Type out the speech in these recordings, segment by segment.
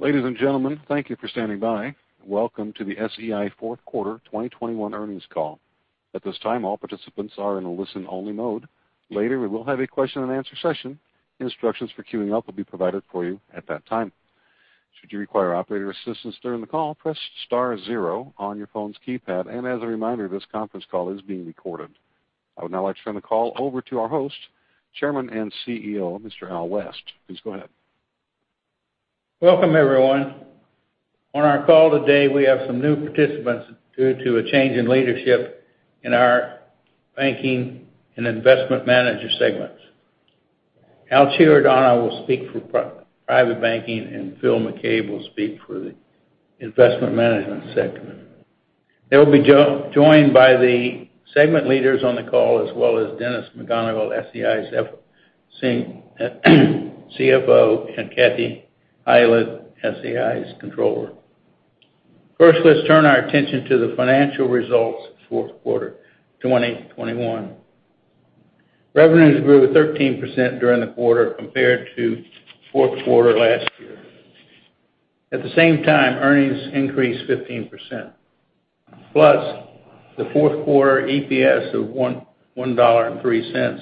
Ladies and gentlemen, thank you for standing by. Welcome to the SEI fourth quarter 2021 earnings call. At this time, all participants are in a listen-only mode. Later, we will have a question-and-answer session. Instructions for queuing up will be provided for you at that time. Should you require operator assistance during the call, press star zero on your phone's keypad. As a reminder, this conference call is being recorded. I would now like to turn the call over to our host, Chairman and CEO, Mr. Al West. Please go ahead. Welcome, everyone. On our call today, we have some new participants due to a change in leadership in our banking and investment manager segments. Al Chiaradonna will speak for private banking, and Phil McCabe will speak for the investment management segment. They will be joined by the segment leaders on the call, as well as Dennis McGonigle, SEI's CFO, and Kathy Heilig, SEI's controller. First, let's turn our attention to the financial results, fourth quarter 2021. Revenues grew 13% during the quarter compared to fourth quarter last year. At the same time, earnings increased 15%, plus the fourth quarter EPS of $1.03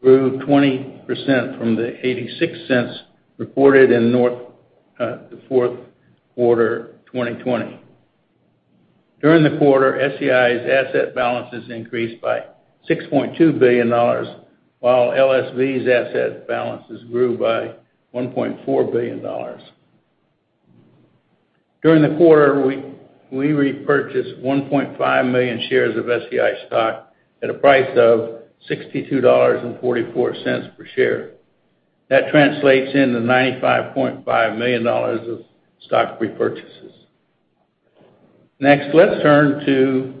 grew 20% from the $0.86 reported in the fourth quarter 2020. During the quarter, SEI's asset balances increased by $6.2 billion, while LSV's asset balances grew by $1.4 billion. During the quarter, we repurchased 1.5 million shares of SEI stock at a price of $62.44 per share. That translates into $95.5 million of stock repurchases. Next, let's turn to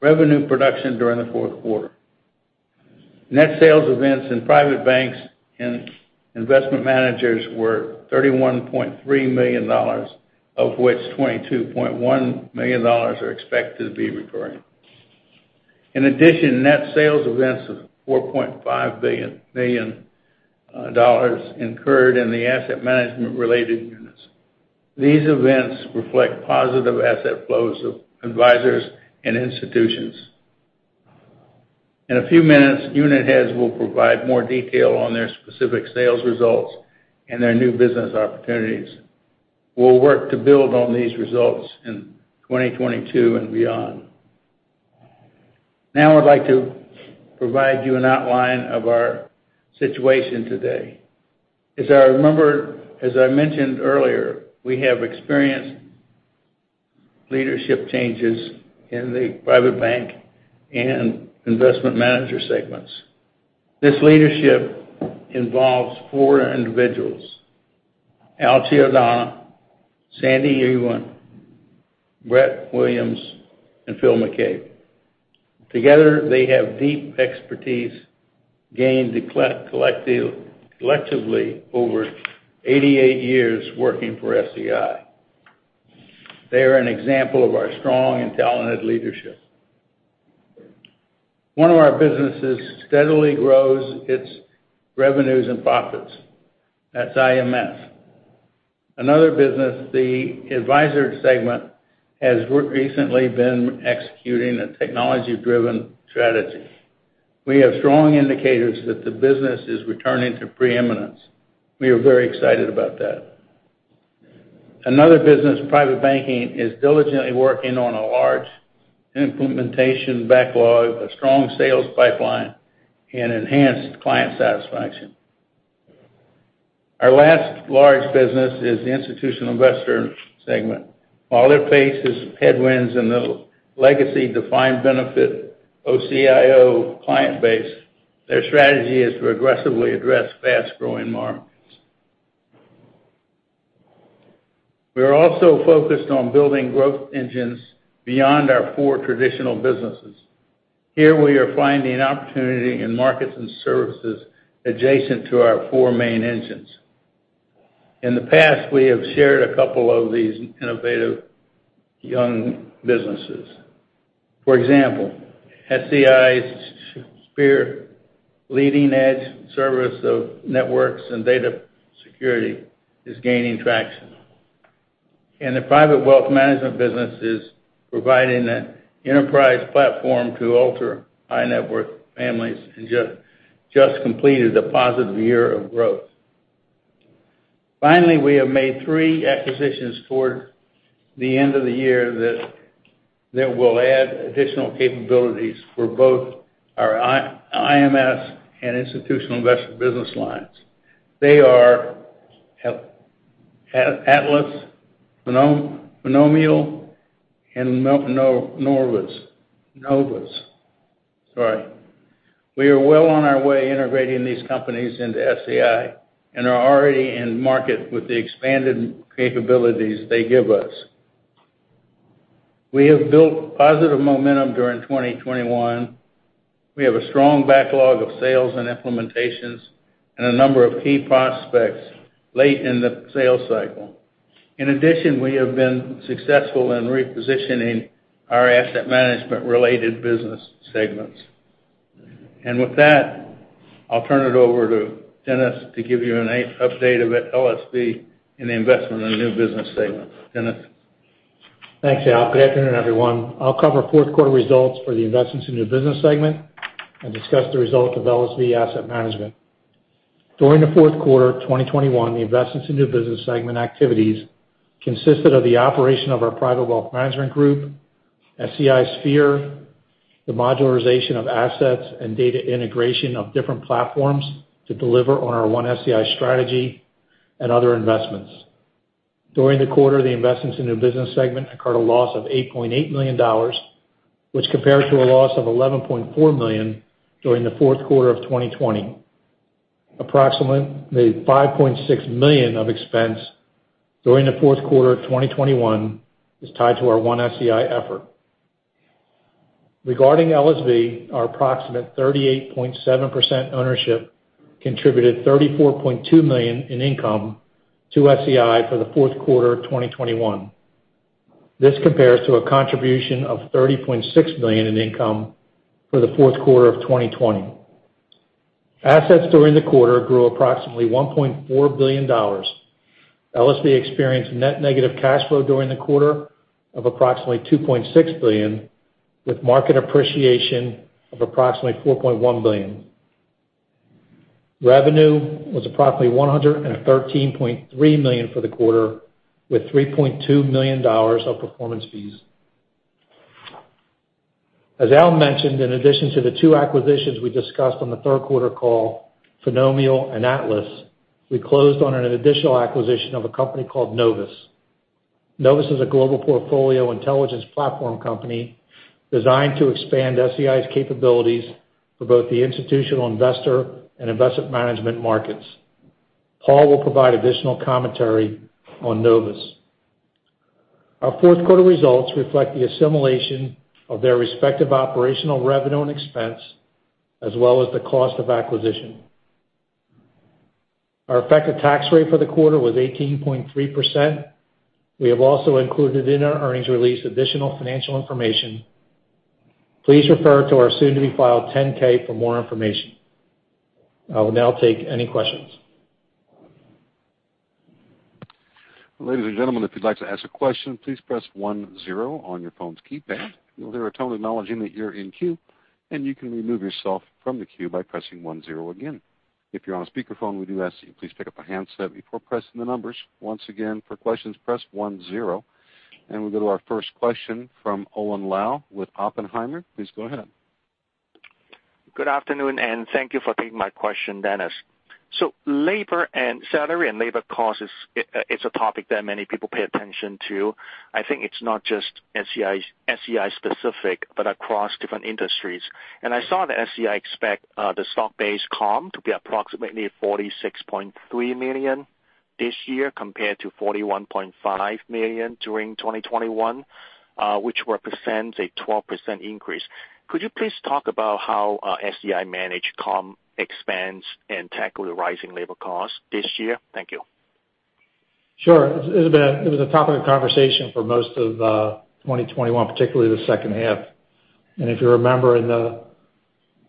revenue production during the fourth quarter. Net sales events in private banks and investment managers were $31.3 million, of which $22.1 million are expected to be recurring. In addition, net sales events of $4.5 million incurred in the asset management related units. These events reflect positive asset flows of advisors and institutions. In a few minutes, unit heads will provide more detail on their specific sales results and their new business opportunities. We'll work to build on these results in 2022 and beyond. Now I'd like to provide you an outline of our situation today. As I mentioned earlier, we have experienced leadership changes in the private bank and investment manager segments. This leadership involves four individuals, Al Chiaradonna, Sandy Ewing, Brett Williams, and Phil McCabe. Together, they have deep expertise gained collectively over 88 years working for SEI. They are an example of our strong and talented leadership. One of our businesses steadily grows its revenues and profits. That's IMS. Another business, the advisor segment, has recently been executing a technology-driven strategy. We have strong indicators that the business is returning to preeminence. We are very excited about that. Another business, private banking, is diligently working on a large implementation backlog, a strong sales pipeline, and enhanced client satisfaction. Our last large business is the institutional investor segment. While it faces headwinds in the legacy defined benefit OCIO client base, their strategy is to aggressively address fast-growing markets. We are also focused on building growth engines beyond our four traditional businesses. Here we are finding opportunity in markets and services adjacent to our four main engines. In the past, we have shared a couple of these innovative young businesses. For example, SEI's Sphere leading-edge service of networks and data security is gaining traction. The private wealth management business is providing an enterprise platform to ultra high-net-worth families and just completed a positive year of growth. Finally, we have made three acquisitions toward the end of the year that will add additional capabilities for both our IMS and institutional investor business lines. They are Atlas, Finomial, and Novus. Sorry. We are well on our way integrating these companies into SEI and are already in market with the expanded capabilities they give us. We have built positive momentum during 2021. We have a strong backlog of sales and implementations and a number of key prospects late in the sales cycle. In addition, we have been successful in repositioning our asset management related business segments. With that, I'll turn it over to Dennis to give you an update about LSV and the investment in the new business segment. Dennis? Thanks, Al. Good afternoon, everyone. I'll cover fourth quarter results for the Investments in New Business segment and discuss the results of LSV Asset Management. During the fourth quarter of 2021, the Investments in New Business segment activities consisted of the operation of our private wealth management group, SEI Sphere, the modularization of assets and data integration of different platforms to deliver on our One-SEI strategy and other investments. During the quarter, the Investments in New Business segment incurred a loss of $8.8 million, which compared to a loss of $11.4 million during the fourth quarter of 2020. Approximately $5.6 million of expense during the fourth quarter of 2021 is tied to our One-SEI effort. Regarding LSV, our approximate 38.7% ownership contributed $34.2 million in income to SEI for the fourth quarter of 2021. This compares to a contribution of $30.6 million in income for the fourth quarter of 2020. Assets during the quarter grew approximately $1.4 billion. LSV experienced net negative cash flow during the quarter of approximately $2.6 billion, with market appreciation of approximately $4.1 billion. Revenue was approximately $113.3 million for the quarter, with $3.2 million of performance fees. As Al mentioned, in addition to the two acquisitions we discussed on the third quarter call, Finomial and Atlas, we closed on an additional acquisition of a company called Novus. Novus is a global portfolio intelligence platform company designed to expand SEI's capabilities for both the institutional investor and investment management markets. Paul will provide additional commentary on Novus. Our fourth quarter results reflect the assimilation of their respective operational revenue and expense, as well as the cost of acquisition. Our effective tax rate for the quarter was 18.3%. We have also included in our earnings release additional financial information. Please refer to our soon-to-be-filed 10-K for more information. I will now take any questions. Ladies and gentlemen, if you'd like to ask a question, please press star one on your phone's keypad. You'll hear a tone acknowledging that you're in queue, and you can remove yourself from the queue by pressing star one again. If you're on a speakerphone, we do ask that you please pick up a handset before pressing the numbers. Once again, for questions, press star one. We'll go to our first question from Owen Lau with Oppenheimer. Please go ahead. Good afternoon, and thank you for taking my question, Dennis. Salary and labor cost is a topic that many people pay attention to. I think it's not just SEI-specific, but across different industries. I saw that SEI expect the stock-based comp to be approximately $46.3 million this year compared to $41.5 million during 2021, which represents a 12% increase. Could you please talk about how SEI manage comp expense and tackle the rising labor costs this year? Thank you. Sure. It was a topic of conversation for most of 2021, particularly the second half. If you remember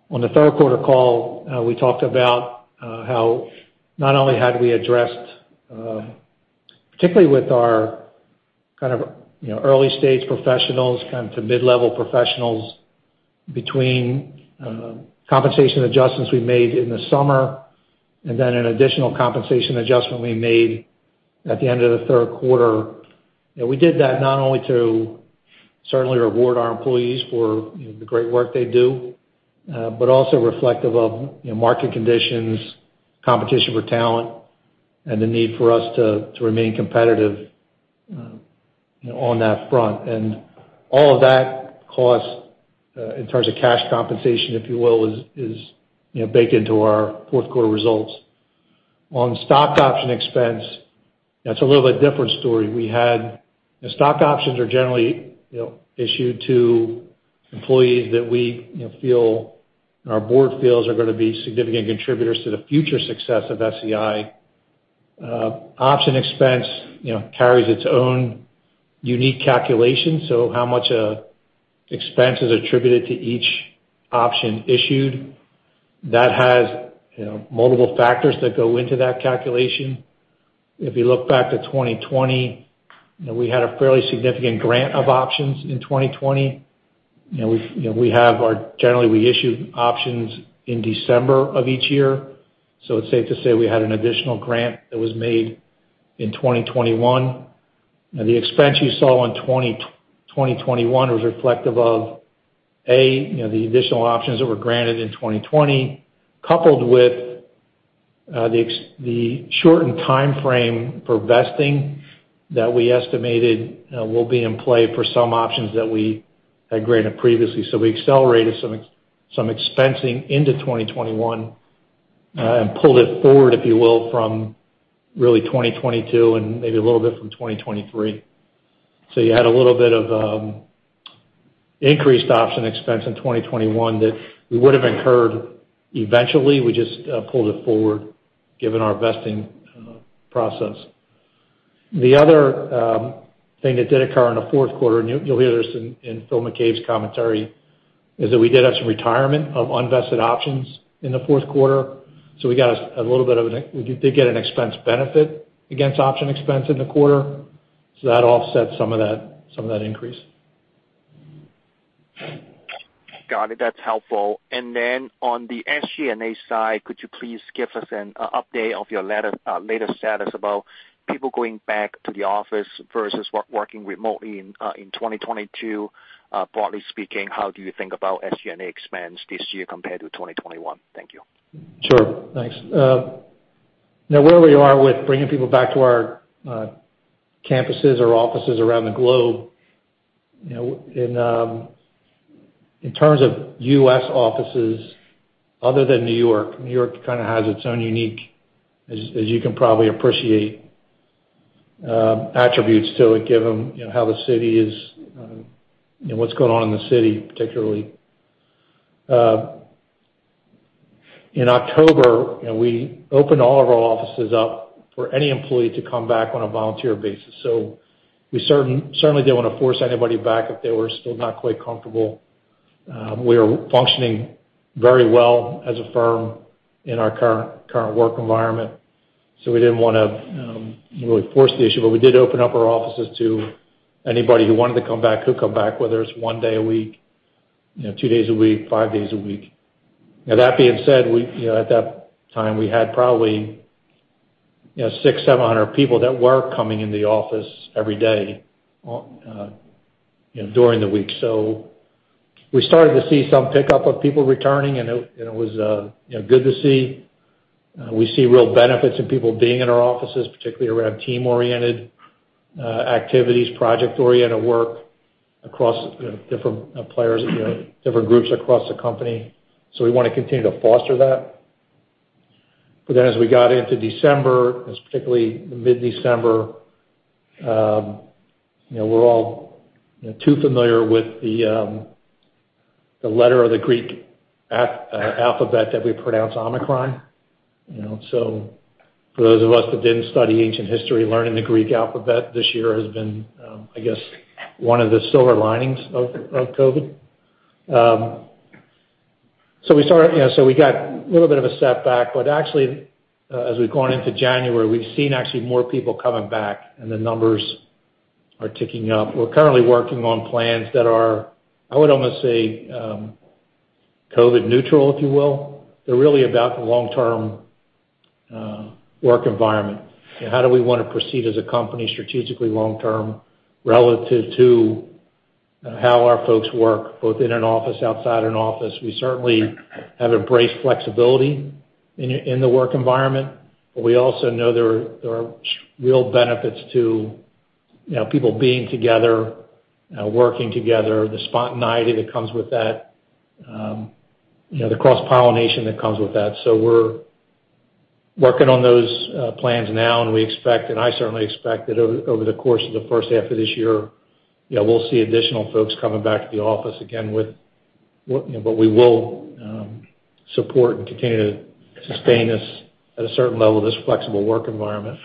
on the third quarter call, we talked about how not only had we addressed, particularly with our kind of, you know, early-stage professionals kind of to mid-level professionals between compensation adjustments we made in the summer and then an additional compensation adjustment we made at the end of the third quarter. You know, we did that not only to certainly reward our employees for, you know, the great work they do, but also reflective of, you know, market conditions, competition for talent and the need for us to remain competitive, you know, on that front. All of that costs in terms of cash compensation, if you will, is you know, baked into our fourth quarter results. On stock option expense, that's a little bit different story. The stock options are generally, you know, issued to employees that we, you know, feel, our board feels are gonna be significant contributors to the future success of SEI. Option expense, you know, carries its own unique calculation, so how much expense is attributed to each option issued. That has, you know, multiple factors that go into that calculation. If you look back to 2020, you know, we had a fairly significant grant of options in 2020. You know, generally, we issue options in December of each year. It's safe to say we had an additional grant that was made in 2021. Now, the expense you saw in 2021 was reflective of, A, you know, the additional options that were granted in 2020, coupled with the shortened timeframe for vesting that we estimated will be in play for some options that we had granted previously. We accelerated some expensing into 2021 and pulled it forward, if you will, from really 2022 and maybe a little bit from 2023. You had a little bit of increased option expense in 2021 that we would've incurred eventually. We just pulled it forward given our vesting process. The other thing that did occur in the fourth quarter, and you'll hear this in Phil McCabe's commentary, is that we did have some retirement of unvested options in the fourth quarter. We got a little bit of an expense benefit against option expense in the quarter, so that offset some of that increase. Got it. That's helpful. On the SG&A side, could you please give us an update of your latest status about people going back to the office versus working remotely in 2022? Broadly speaking, how do you think about SG&A expense this year compared to 2021? Thank you. Sure. Thanks. You know, where we are with bringing people back to our campuses or offices around the globe, you know, in terms of U.S. offices other than New York, New York kinda has its own unique, as you can probably appreciate, attributes to it, given, you know, how the city is, you know, what's going on in the city, particularly. In October, you know, we opened all of our offices up for any employee to come back on a volunteer basis. We certainly didn't wanna force anybody back if they were still not quite comfortable. We are functioning very well as a firm in our current work environment, so we didn't wanna really force the issue. We did open up our offices to anybody who wanted to come back could come back, whether it's one day a week, you know, two days a week, five days a week. Now that being said, we, you know, at that time, we had probably, you know, 600-700 people that were coming in the office every day on, you know, during the week. We started to see some pickup of people returning, and it was, you know, good to see. We see real benefits of people being in our offices, particularly around team-oriented activities, project-oriented work across, you know, different players, you know, different groups across the company. We wanna continue to foster that. As we got into December, as particularly mid-December, you know, we're all, you know, too familiar with the letter of the Greek alphabet that we pronounce Omicron. You know, for those of us that didn't study ancient history, learning the Greek alphabet this year has been, I guess one of the silver linings of COVID. We got a little bit of a setback. Actually, as we've gone into January, we've seen actually more people coming back, and the numbers are ticking up. We're currently working on plans that are, I would almost say, COVID neutral, if you will. They're really about the long-term work environment. You know, how do we wanna proceed as a company strategically long term relative to how our folks work both in an office, outside an office? We certainly have embraced flexibility in the work environment, but we also know there are real benefits to, you know, people being together, working together, the spontaneity that comes with that, you know, the cross-pollination that comes with that. We're working on those plans now, and we expect, and I certainly expect that over the course of the first half of this year, you know, we'll see additional folks coming back to the office again, you know, but we will support and continue to sustain this at a certain level, this flexible work environment.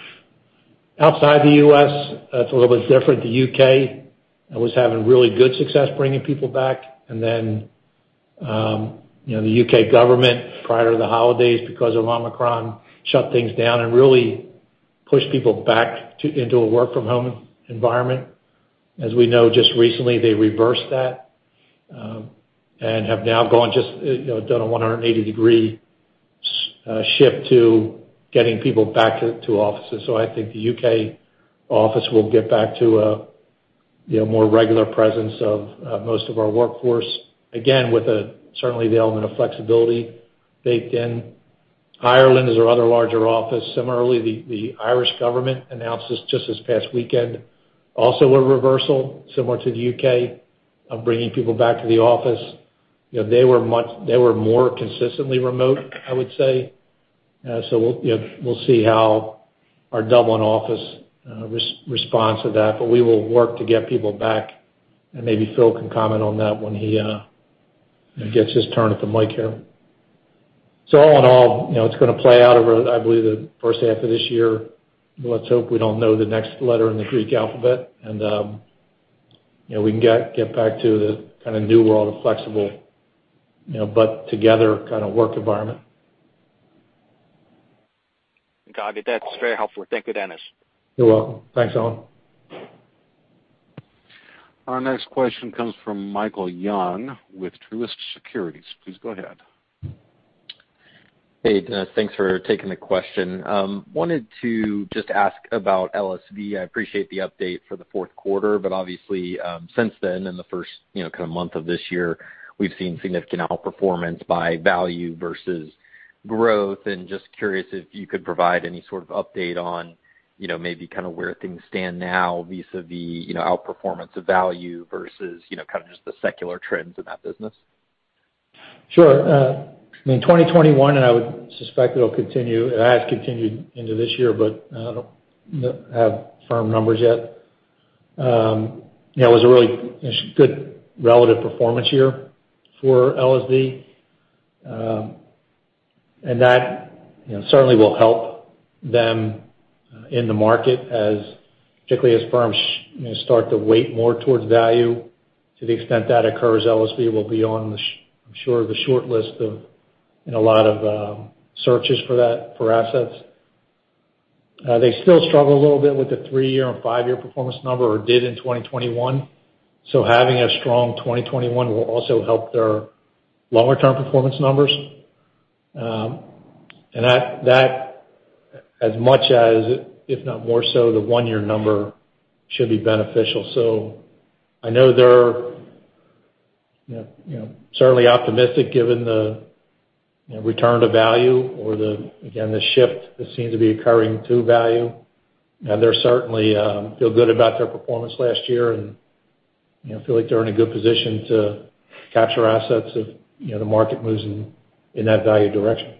Outside the U.S., it's a little bit different. The U.K. was having really good success bringing people back. You know, the U.K. government, prior to the holidays, because of Omicron, shut things down and really pushed people back into a work from home environment. As we know, just recently, they reversed that, and have now gone just, you know, done a 180-degree shift to getting people back to offices. I think the U.K. office will get back to a, you know, more regular presence of most of our workforce, again, with certainly the element of flexibility baked in. Ireland is our other larger office. Similarly, the Irish government announced this just this past weekend also a reversal, similar to the U.K., of bringing people back to the office. You know, they were more consistently remote, I would say. We'll see how our Dublin office responds to that. We will work to get people back, and maybe Phil can comment on that when he gets his turn at the mic here. All in all, it's gonna play out over, I believe, the first half of this year. Let's hope we don't know the next letter in the Greek alphabet. We can get back to the kinda new world of flexible, but together kinda work environment. Got it. That's very helpful. Thank you, Dennis. You're welcome. Thanks, Owen. Our next question comes from Michael Young with Truist Securities. Please go ahead. Hey, Dennis. Thanks for taking the question. Wanted to just ask about LSV. I appreciate the update for the fourth quarter, but obviously, since then, in the first, you know, kind of month of this year, we've seen significant outperformance by value versus growth. Just curious if you could provide any sort of update on, you know, maybe kinda where things stand now vis-à-vis, you know, outperformance of value versus, you know, kind of just the secular trends in that business. Sure. I mean, 2021, and I would suspect it'll continue. It has continued into this year, but I don't have firm numbers yet. You know, it was a really good relative performance year for LSV. That, you know, certainly will help them in the market, particularly as firms start to weight more towards value. To the extent that occurs, LSV will be on the short list in a lot of searches for that, for assets. They still struggle a little bit with the three-year and five-year performance number, or did in 2021. Having a strong 2021 will also help their longer-term performance numbers. That, as much as, if not more so, the one-year number should be beneficial. I know they're you know certainly optimistic given the return to value or the again the shift that seems to be occurring to value. They're certainly feel good about their performance last year and you know feel like they're in a good position to capture assets if you know the market moves in that value direction.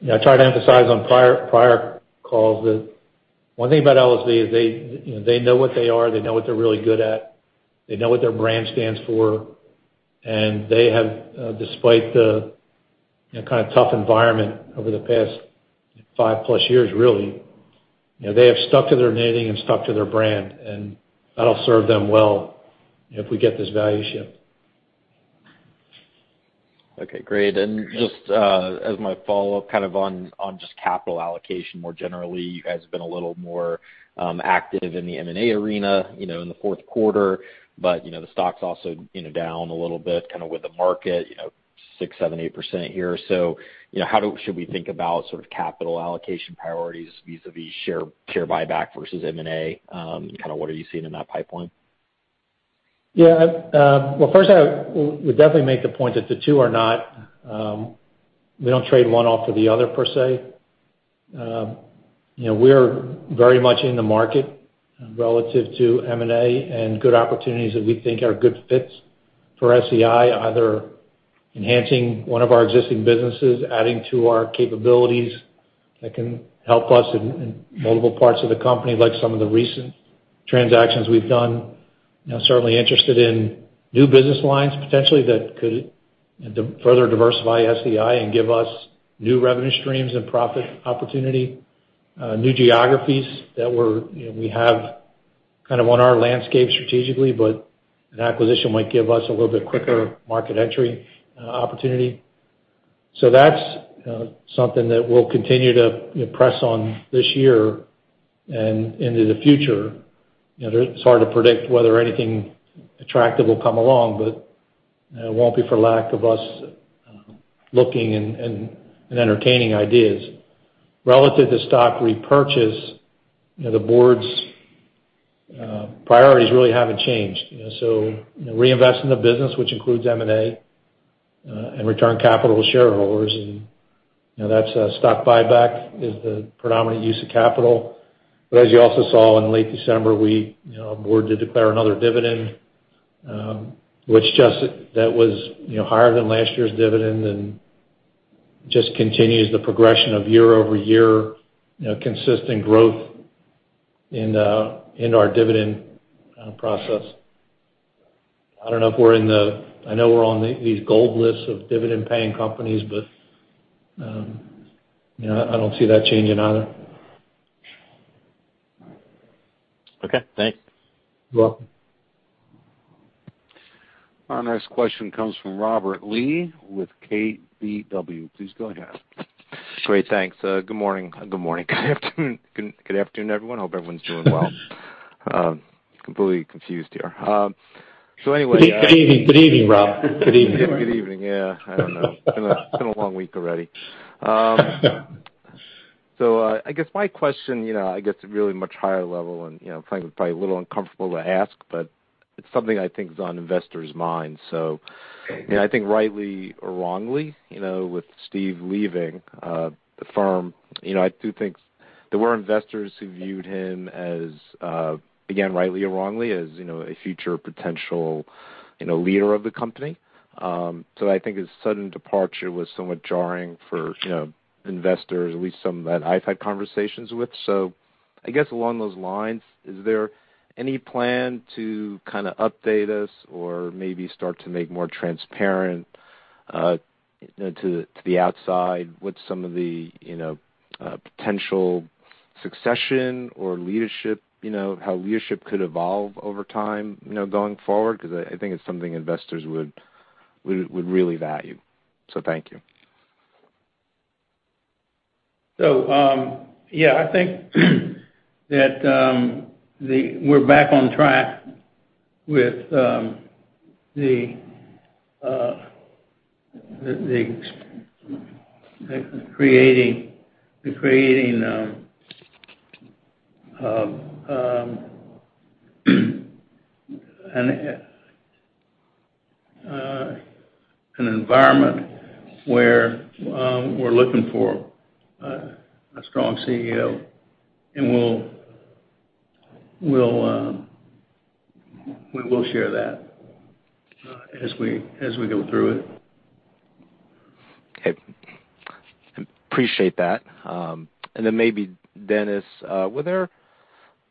You know I tried to emphasize on prior calls that one thing about LSV is they you know they know what they are they know what they're really good at they know what their brand stands for. They have despite the you know kind of tough environment over the past 5+ years really you know they have stuck to their knitting and stuck to their brand and that'll serve them well if we get this value shift. Okay, great. Just as my follow-up, kind of on just capital allocation more generally, you guys have been a little more active in the M&A arena, you know, in the fourth quarter. You know, the stock's also, you know, down a little bit, kind of with the market, you know, 6%-8% here. You know, how should we think about sort of capital allocation priorities vis-a-vis share buyback versus M&A? Kind of what are you seeing in that pipeline? Yeah. Well, first I would definitely make the point that the two are not. We don't trade one off for the other, per se. You know, we're very much in the market relative to M&A and good opportunities that we think are good fits for SEI, either enhancing one of our existing businesses, adding to our capabilities that can help us in multiple parts of the company, like some of the recent transactions we've done. You know, certainly interested in new business lines, potentially, that could further diversify SEI and give us new revenue streams and profit opportunity. New geographies that we're, you know, we have kind of on our landscape strategically, but an acquisition might give us a little bit quicker market entry opportunity. That's something that we'll continue to, you know, press on this year and into the future. You know, it's hard to predict whether anything attractive will come along, but it won't be for lack of us looking and entertaining ideas. Relative to stock repurchase, you know, the board's priorities really haven't changed, you know. Reinvest in the business, which includes M&A, and return capital to shareholders and, you know, that's stock buyback is the predominant use of capital. But as you also saw in late December, we, you know, board did declare another dividend, which, you know, higher than last year's dividend and just continues the progression of year-over-year, you know, consistent growth in our dividend process. I don't know if we're in the. I know we're on these gold lists of dividend-paying companies, but, you know, I don't see that changing either. Okay, thanks. You're welcome. Our next question comes from Robert Lee with KBW. Please go ahead. Great, thanks. Good morning. Good afternoon. Good afternoon, everyone. Hope everyone's doing well. Completely confused here. So anyway, Good evening. Good evening, Rob. Good evening. Good evening. Yeah, I don't know. It's been a long week already. I guess my question is really much higher level and, you know, probably a little uncomfortable to ask, but it's something I think is on investors' minds. You know, I think rightly or wrongly, with Steve leaving the firm, I do think there were investors who viewed him as, again, rightly or wrongly, a future potential leader of the company. So I think his sudden departure was somewhat jarring for investors, at least some that I've had conversations with. I guess along those lines, is there any plan to kinda update us or maybe start to make more transparent, you know, to the outside what some of the, you know, potential succession or leadership, you know, how leadership could evolve over time, you know, going forward? 'Cause I think it's something investors would really value. Thank you. Yeah, I think that we're back on track with creating an environment where we're looking for a strong CEO, and we will share that as we go through it. Okay. Appreciate that. Maybe Dennis, were there?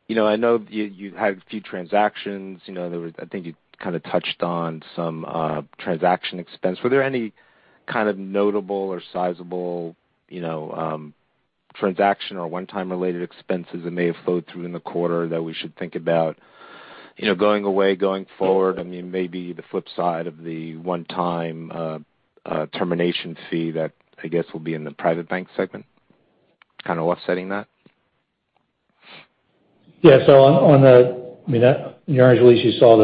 You know, I know you had a few transactions. You know, I think you kind of touched on some transaction expense. Were there any kind of notable or sizable, you know, transaction or one-time related expenses that may have flowed through in the quarter that we should think about, you know, going away going forward? I mean, maybe the flip side of the one-time termination fee that I guess will be in the private bank segment kind of offsetting that. Yeah. On the, I mean, that in the earnings release you saw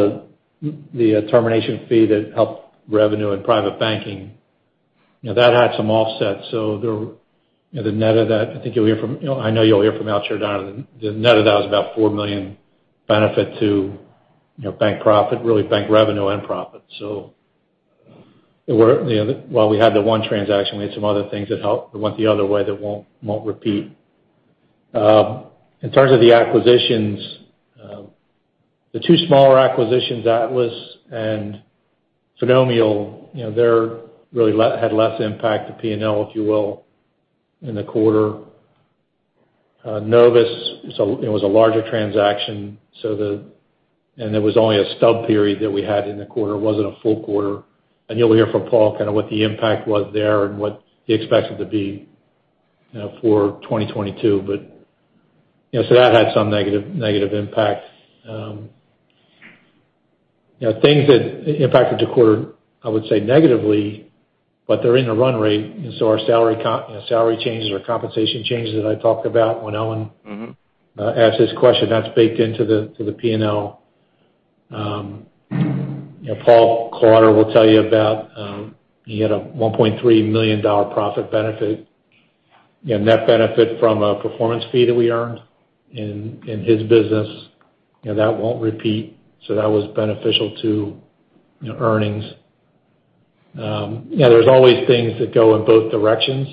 the termination fee that helped revenue in private banking. You know, that had some offsets. There, you know, the net of that, I think you'll hear from, you know, I know you'll hear from Al Chiaradonna. The net of that was about $4 million benefit to, you know, bank profit, really bank revenue and profit. There were, you know, while we had the one transaction, we had some other things that helped. It went the other way, that won't repeat. In terms of the acquisitions, the two smaller acquisitions, Atlas and Finomial, you know, they really had less impact to P&L, if you will, in the quarter. Novus, so it was a larger transaction, so the... There was only a stub period that we had in the quarter. It wasn't a full quarter. You'll hear from Paul kind of what the impact was there and what he expects it to be, you know, for 2022. You know, that had some negative impact. You know, things that impacted the quarter, I would say negatively, but they're in the run rate. Our salary you know, salary changes or compensation changes that I talked about when Owen- Mm-hmm. Asked his question, that's baked into the P&L. You know, Paul Klauder will tell you about, he had a $1.3 million profit benefit, you know, net benefit from a performance fee that we earned in his business. You know, that won't repeat. That was beneficial to earnings. You know, there's always things that go in both directions.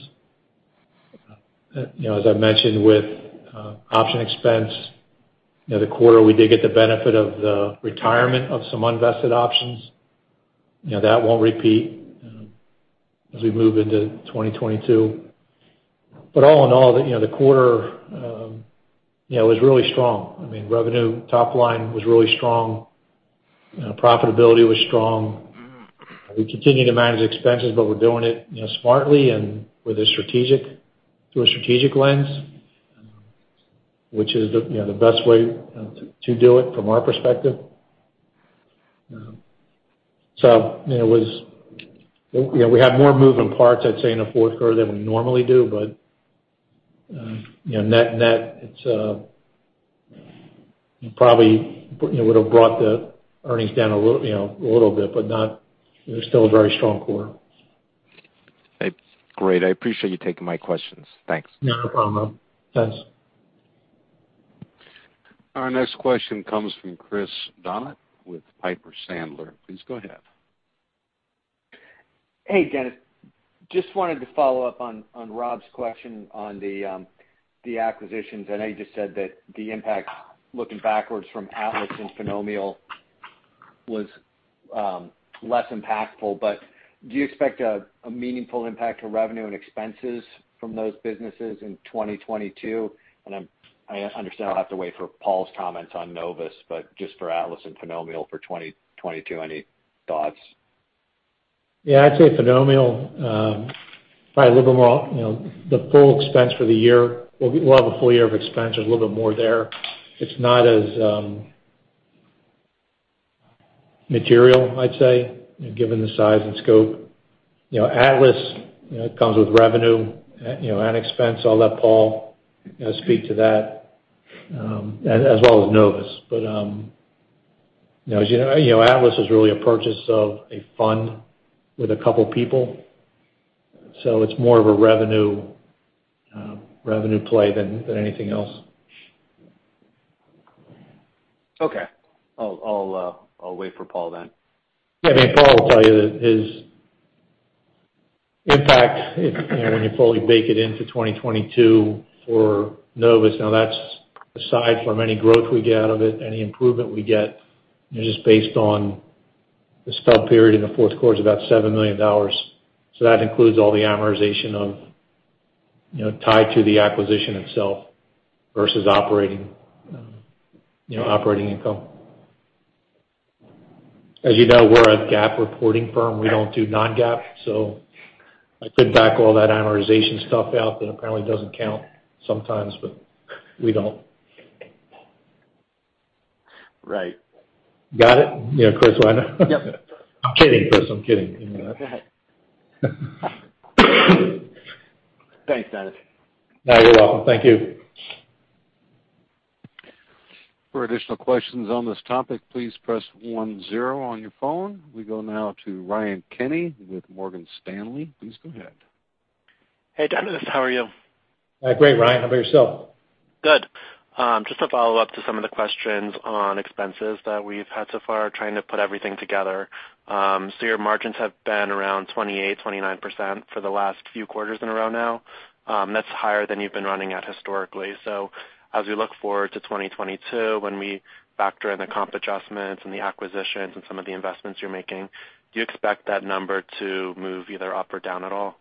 You know, as I mentioned with option expense, you know, the quarter we did get the benefit of the retirement of some unvested options. You know, that won't repeat, as we move into 2022. All in all, you know, the quarter was really strong. I mean, revenue top line was really strong. You know, profitability was strong. We continue to manage expenses, but we're doing it, you know, smartly and through a strategic lens, which is, you know, the best way to do it from our perspective. You know, we had more moving parts, I'd say, in the fourth quarter than we normally do, but, you know, net it's probably, you know, would have brought the earnings down a little bit, but not, it was still a very strong quarter. Great. I appreciate you taking my questions. Thanks. Yeah, no problem. Thanks. Our next question comes from Chris Donat with Piper Sandler. Please go ahead. Hey, Dennis. Just wanted to follow up on Rob's question on the acquisitions. I know you just said that the impact looking backwards from Atlas and Finomial was less impactful. Do you expect a meaningful impact to revenue and expenses from those businesses in 2022? I understand I'll have to wait for Paul's comments on Novus, but just for Atlas and Finomial for 2022, any thoughts? Yeah, I'd say Finomial, probably a little bit more, you know, the full expense for the year. We'll have a full year of expense, a little bit more there. It's not as material I'd say, given the size and scope. You know, Atlas, you know, it comes with revenue, you know, and expense. I'll let Paul, you know, speak to that, as well as Novus. You know, as you know, you know, Atlas is really a purchase of a fund with a couple people, so it's more of a revenue play than anything else. Okay. I'll wait for Paul then. Yeah. I mean, Paul will tell you that his impact, if, you know, when you fully bake it into 2022 for Novus, now that's aside from any growth we get out of it, any improvement we get, you know, just based on the stub period in the fourth quarter is about $7 million. That includes all the amortization of, you know, tied to the acquisition itself versus operating, you know, operating income. As you know, we're a GAAP reporting firm. We don't do non-GAAP. I took back all that amortization stuff out that apparently doesn't count sometimes, but we don't. Right. Got it? You know, Chris, why not? Yep. I'm kidding, Chris. I'm kidding. You know that. Thanks, Dennis. No, you're welcome. Thank you. For additional questions on this topic, please press one zero on your phone. We go now to Ryan Kenny with Morgan Stanley. Please go ahead. Hey, Dennis. How are you? Great, Ryan. How about yourself? Good. Just to follow up to some of the questions on expenses that we've had so far, trying to put everything together. Your margins have been around 28%-29% for the last few quarters in a row now. That's higher than you've been running at historically. As we look forward to 2022, when we factor in the comp adjustments and the acquisitions and some of the investments you're making, do you expect that number to move either up or down at all?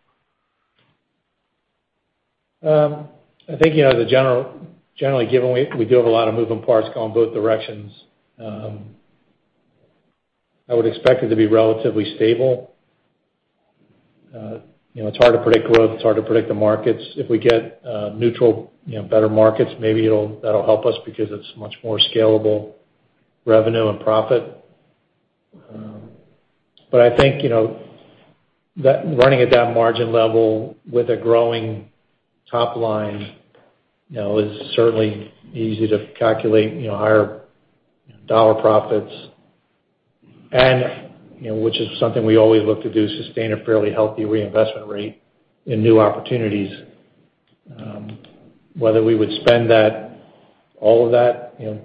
I think, you know, generally given we do have a lot of moving parts going both directions, I would expect it to be relatively stable. You know, it's hard to predict growth, it's hard to predict the markets. If we get neutral, you know, better markets, maybe that'll help us because it's much more scalable revenue and profit. I think, you know, that running at that margin level with a growing top line, you know, is certainly easy to calculate higher dollar profits. You know, which is something we always look to do, sustain a fairly healthy reinvestment rate in new opportunities. Whether we would spend that, all of that, you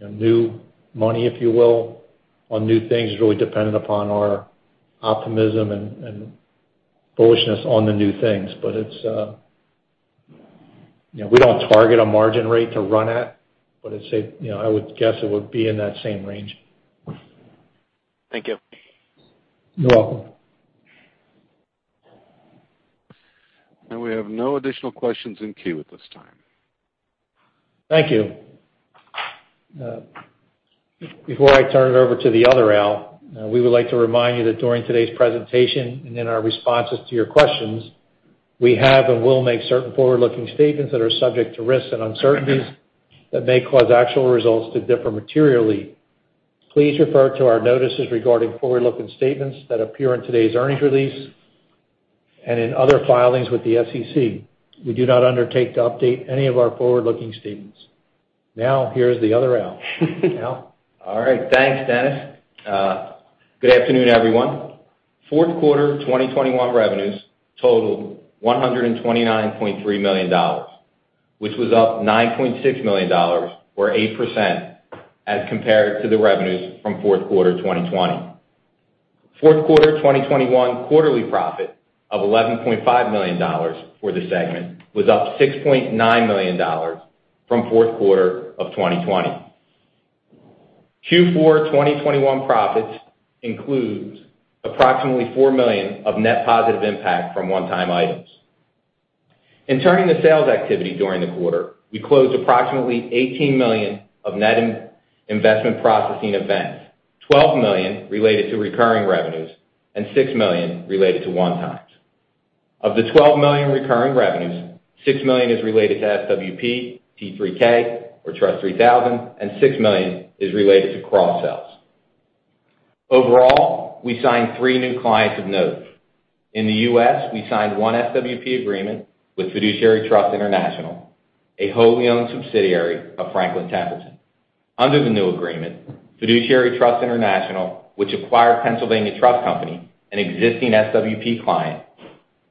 know, new money, if you will, on new things is really dependent upon our optimism and bullishness on the new things. It's you know, we don't target a margin rate to run at, but I'd say, you know, I would guess it would be in that same range. Thank you. You're welcome. We have no additional questions in queue at this time. Thank you. Before I turn it over to the other Al, we would like to remind you that during today's presentation and in our responses to your questions, we have and will make certain forward-looking statements that are subject to risks and uncertainties that may cause actual results to differ materially. Please refer to our notices regarding forward-looking statements that appear in today's earnings release and in other filings with the SEC. We do not undertake to update any of our forward-looking statements. Now, here's the other Al. Al? All right. Thanks, Dennis. Good afternoon, everyone. Fourth quarter 2021 revenues totaled $129.3 million, which was up $9.6 million or 8% as compared to the revenues from fourth quarter 2020. Fourth quarter 2021 quarterly profit of $11.5 million for the segment was up $6.9 million from fourth quarter of 2020. Q4 2021 profits include approximately $4 million of net positive impact from one-time items. Turning to sales activity during the quarter, we closed approximately $18 million of net investment processing events, $12 million related to recurring revenues, and $6 million related to 1x. Of the $12 million recurring revenues, $6 million is related to SWP, T3K or TRUST 3000, and $6 million is related to cross-sales. Overall, we signed three new clients of note. In the U.S., we signed one SWP agreement with Fiduciary Trust International, a wholly-owned subsidiary of Franklin Templeton. Under the new agreement, Fiduciary Trust International, which acquired Pennsylvania Trust Company, an existing SWP client,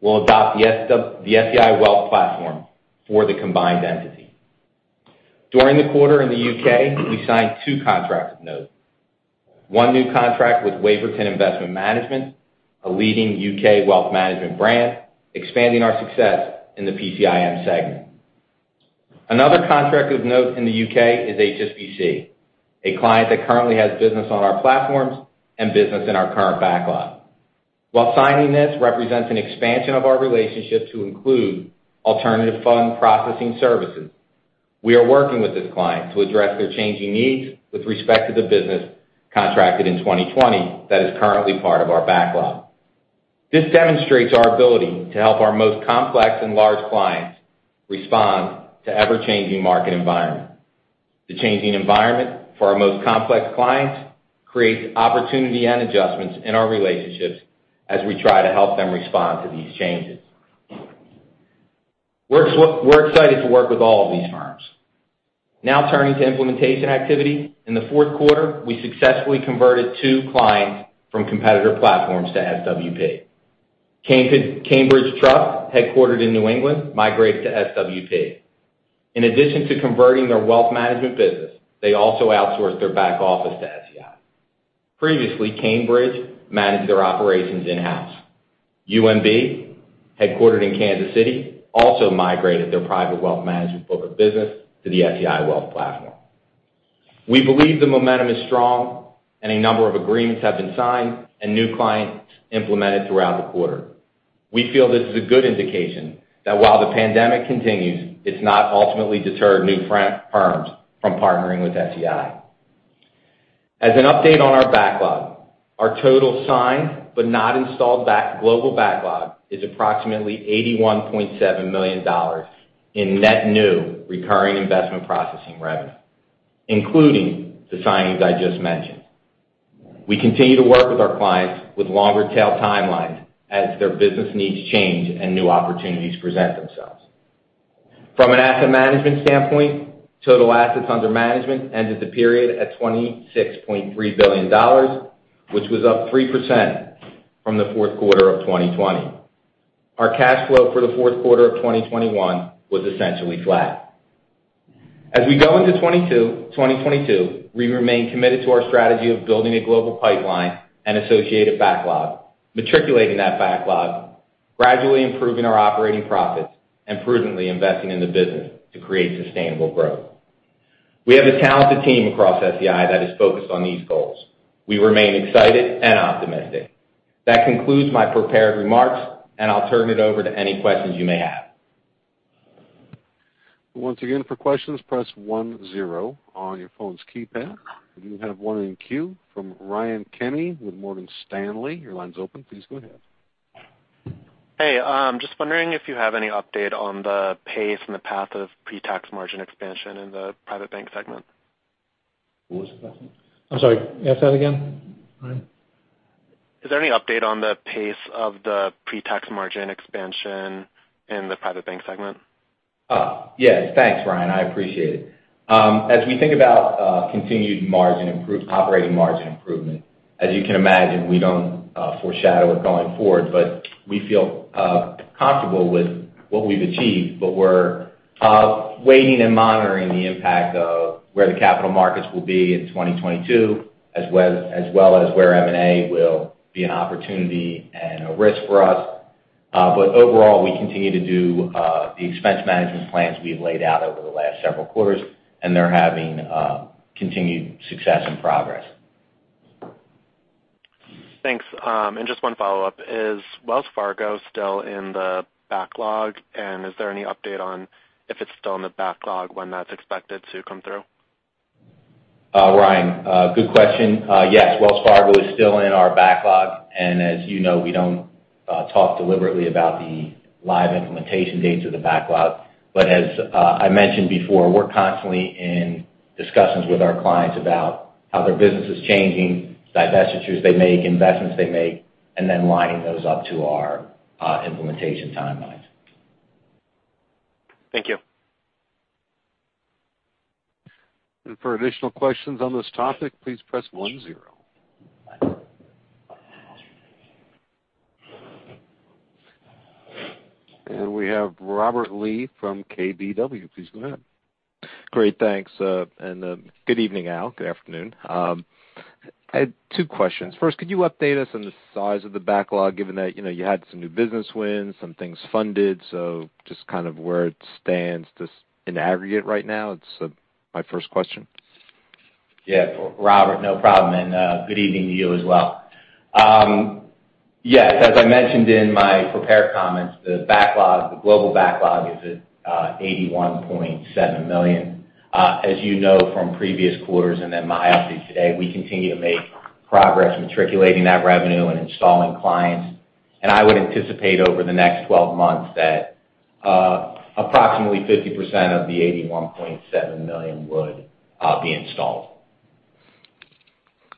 will adopt the SEI Wealth Platform for the combined entity. During the quarter in the U.K., we signed two contracts of note. One new contract with Waverton Investment Management, a leading U.K. wealth management brand, expanding our success in the PCIM segment. Another contract of note in the U.K. is HSBC, a client that currently has business on our platforms and business in our current backlog. While signing this represents an expansion of our relationship to include alternative fund processing services, we are working with this client to address their changing needs with respect to the business contracted in 2020 that is currently part of our backlog. This demonstrates our ability to help our most complex and large clients respond to ever-changing market environment. The changing environment for our most complex clients creates opportunity and adjustments in our relationships as we try to help them respond to these changes. We're excited to work with all of these firms. Now turning to implementation activity. In the fourth quarter, we successfully converted two clients from competitor platforms to SWP. Cambridge Trust, headquartered in New England, migrated to SWP. In addition to converting their wealth management business, they also outsourced their back office to SEI. Previously, Cambridge managed their operations in-house. UMB, headquartered in Kansas City, also migrated their private wealth management book of business to the SEI Wealth Platform. We believe the momentum is strong, and a number of agreements have been signed and new clients implemented throughout the quarter. We feel this is a good indication that while the pandemic continues, it's not ultimately deterred new firms from partnering with SEI. As an update on our backlog, our total signed but not installed global backlog is approximately $81.7 million in net new recurring investment processing revenue, including the signings I just mentioned. We continue to work with our clients with longer tail timelines as their business needs change and new opportunities present themselves. From an asset management standpoint, total assets under management ended the period at $26.3 billion, which was up 3% from the fourth quarter of 2020. Our cash flow for the fourth quarter of 2021 was essentially flat. As we go into 2022, we remain committed to our strategy of building a global pipeline and associated backlog, matriculating that backlog, gradually improving our operating profits, and prudently investing in the business to create sustainable growth. We have a talented team across SEI that is focused on these goals. We remain excited and optimistic. That concludes my prepared remarks, and I'll turn it over to any questions you may have. You have one in queue from Ryan Kenny with Morgan Stanley. Your line's open. Please go ahead. Hey, just wondering if you have any update on the pace and the path of pre-tax margin expansion in the private bank segment. What was the question? I'm sorry. Ask that again, Ryan. Is there any update on the pace of the pre-tax margin expansion in the private bank segment? Yes. Thanks, Ryan. I appreciate it. As we think about continued operating margin improvement, as you can imagine, we don't foreshadow it going forward. We feel comfortable with what we've achieved, but we're waiting and monitoring the impact of where the capital markets will be in 2022, as well as where M&A will be an opportunity and a risk for us. Overall, we continue to do the expense management plans we've laid out over the last several quarters, and they're having continued success and progress. Thanks. Just one follow-up. Is Wells Fargo still in the backlog? Is there any update on if it's still in the backlog, when that's expected to come through? Ryan, good question. Yes, Wells Fargo is still in our backlog, and as you know, we don't talk deliberately about the live implementation dates of the backlog. As I mentioned before, we're constantly in discussions with our clients about how their business is changing, divestitures they make, investments they make, and then lining those up to our implementation timelines. Thank you. For additional questions on this topic, please press one zero. We have Robert Lee from KBW. Please go ahead. Great. Thanks. Good evening, Al. Good afternoon. I had two questions. First, could you update us on the size of the backlog given that, you know, you had some new business wins, some things funded, so just kind of where it stands just in aggregate right now. It's my first question. Yeah. Robert, no problem. Good evening to you as well. Yes, as I mentioned in my prepared comments, the backlog, the global backlog is at $81.7 million. As you know from previous quarters and then my update today, we continue to make progress materializing that revenue and installing clients. I would anticipate over the next 12 months that approximately 50% of the $81.7 million would be installed.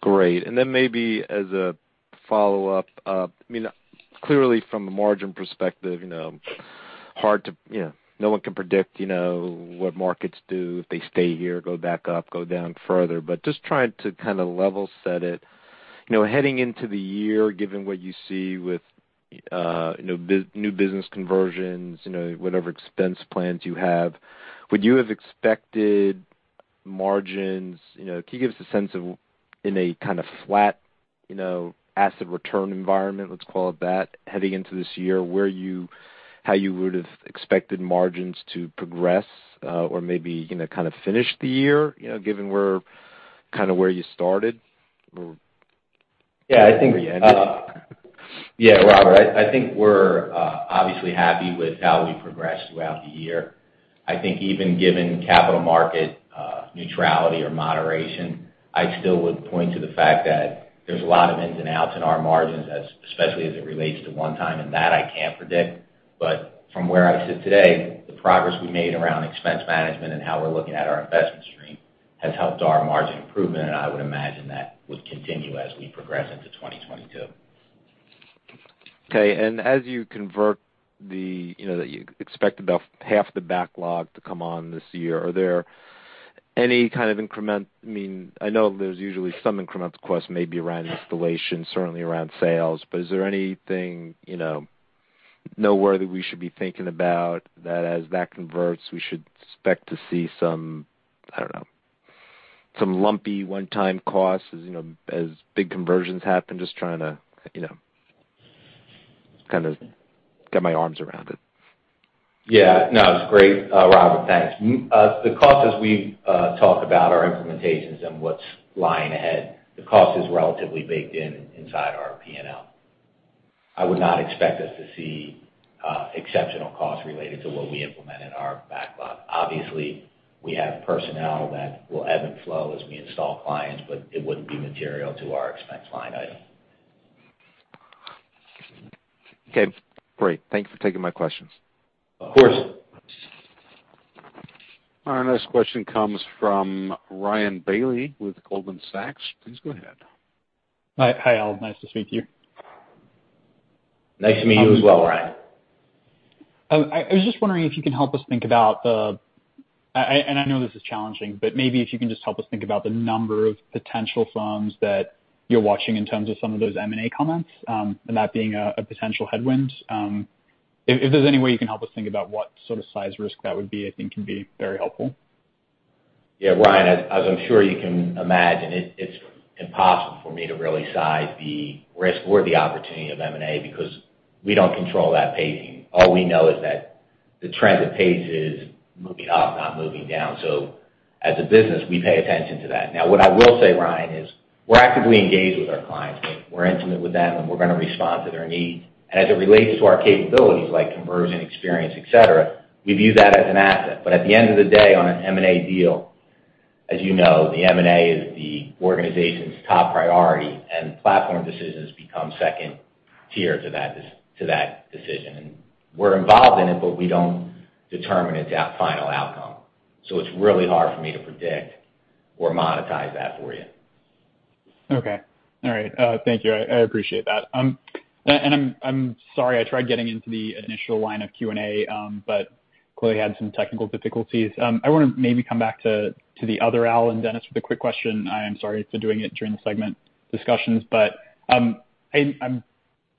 Great. Then maybe as a follow-up, I mean, clearly from a margin perspective, you know, hard to, you know, no one can predict, you know, what markets do, if they stay here, go back up, go down further. Just trying to kind of level set it, you know, heading into the year, given what you see with, you know, new business conversions, you know, whatever expense plans you have, would you have expected margins. You know, can you give us a sense of in a kind of flat, you know, asset return environment, let's call it that, heading into this year, where you, how you would have expected margins to progress, or maybe, you know, kind of finish the year, you know, given we're kind of where you started or Yeah, I think. Where you ended? Yeah. Robert, I think we're obviously happy with how we progressed throughout the year. I think even given capital market neutrality or moderation, I still would point to the fact that there's a lot of ins and outs in our margins as especially as it relates to one-time, and that I can't predict. From where I sit today, the progress we made around expense management and how we're looking at our investment stream has helped our margin improvement, and I would imagine that would continue as we progress into 2022. Okay. As you convert the, you know, that you expect about half the backlog to come on this year, are there any? I mean, I know there's usually some incremental costs maybe around installation, certainly around sales. But is there anything, you know, noteworthy we should be thinking about that as that converts, we should expect to see some, I don't know, some lumpy one-time costs as, you know, as big conversions happen? Just trying to, you know, kind of get my arms around it. Yeah. No, it's great, Robert, thanks. The cost as we talk about our implementations and what's lying ahead, the cost is relatively baked in inside our P&L. I would not expect us to see exceptional costs related to what we implement in our backlog. Obviously, we have personnel that will ebb and flow as we install clients, but it wouldn't be material to our expense line item. Okay, great. Thank you for taking my questions. Of course. Our next question comes from Ryan Bailey with Goldman Sachs. Please go ahead. Hi. Hi, Al. Nice to speak to you. Nice to meet you as well, Ryan. I was just wondering if you can help us think about the number of potential firms that you're watching in terms of some of those M&A comments. I know this is challenging, but maybe if you can just help us think about that being a potential headwind. If there's any way you can help us think about what sort of size risk that would be, I think can be very helpful. Yeah, Ryan, as I'm sure you can imagine, it's impossible for me to really size the risk or the opportunity of M&A because we don't control that pacing. All we know is that the trend that pace is moving up, not moving down. As a business, we pay attention to that. Now, what I will say, Ryan, is we're actively engaged with our clients. We're intimate with them, and we're gonna respond to their needs. As it relates to our capabilities like conversion experience, et cetera, we view that as an asset. At the end of the day, on an M&A deal, as you know, the M&A is the organization's top priority, and platform decisions become second tier to that decision. We're involved in it, but we don't determine its final outcome. It's really hard for me to predict or monetize that for you. Okay. All right. Thank you. I appreciate that. And I'm sorry, I tried getting into the initial line of Q&A, but clearly had some technical difficulties. I wanna maybe come back to the other Al and Dennis with a quick question. I am sorry for doing it during the segment discussions. Hey,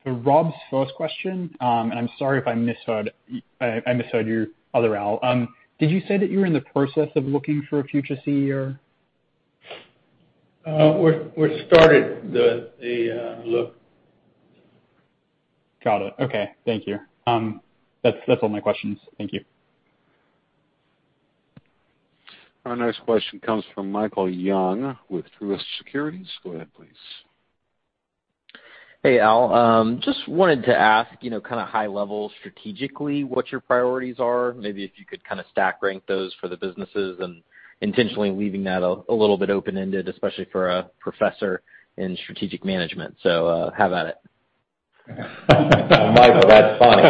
to Rob's first question, and I'm sorry if I misheard, I misheard you, other Al. Did you say that you were in the process of looking for a future CEO? We started the look. Got it. Okay. Thank you. That's all my questions. Thank you. Our next question comes from Michael Young with Truist Securities. Go ahead, please. Hey, Al. Just wanted to ask, you know, kinda high level strategically what your priorities are. Maybe if you could kinda stack rank those for the businesses and intentionally leaving that a little bit open-ended, especially for a professor in strategic management. Have at it. Michael, that's funny.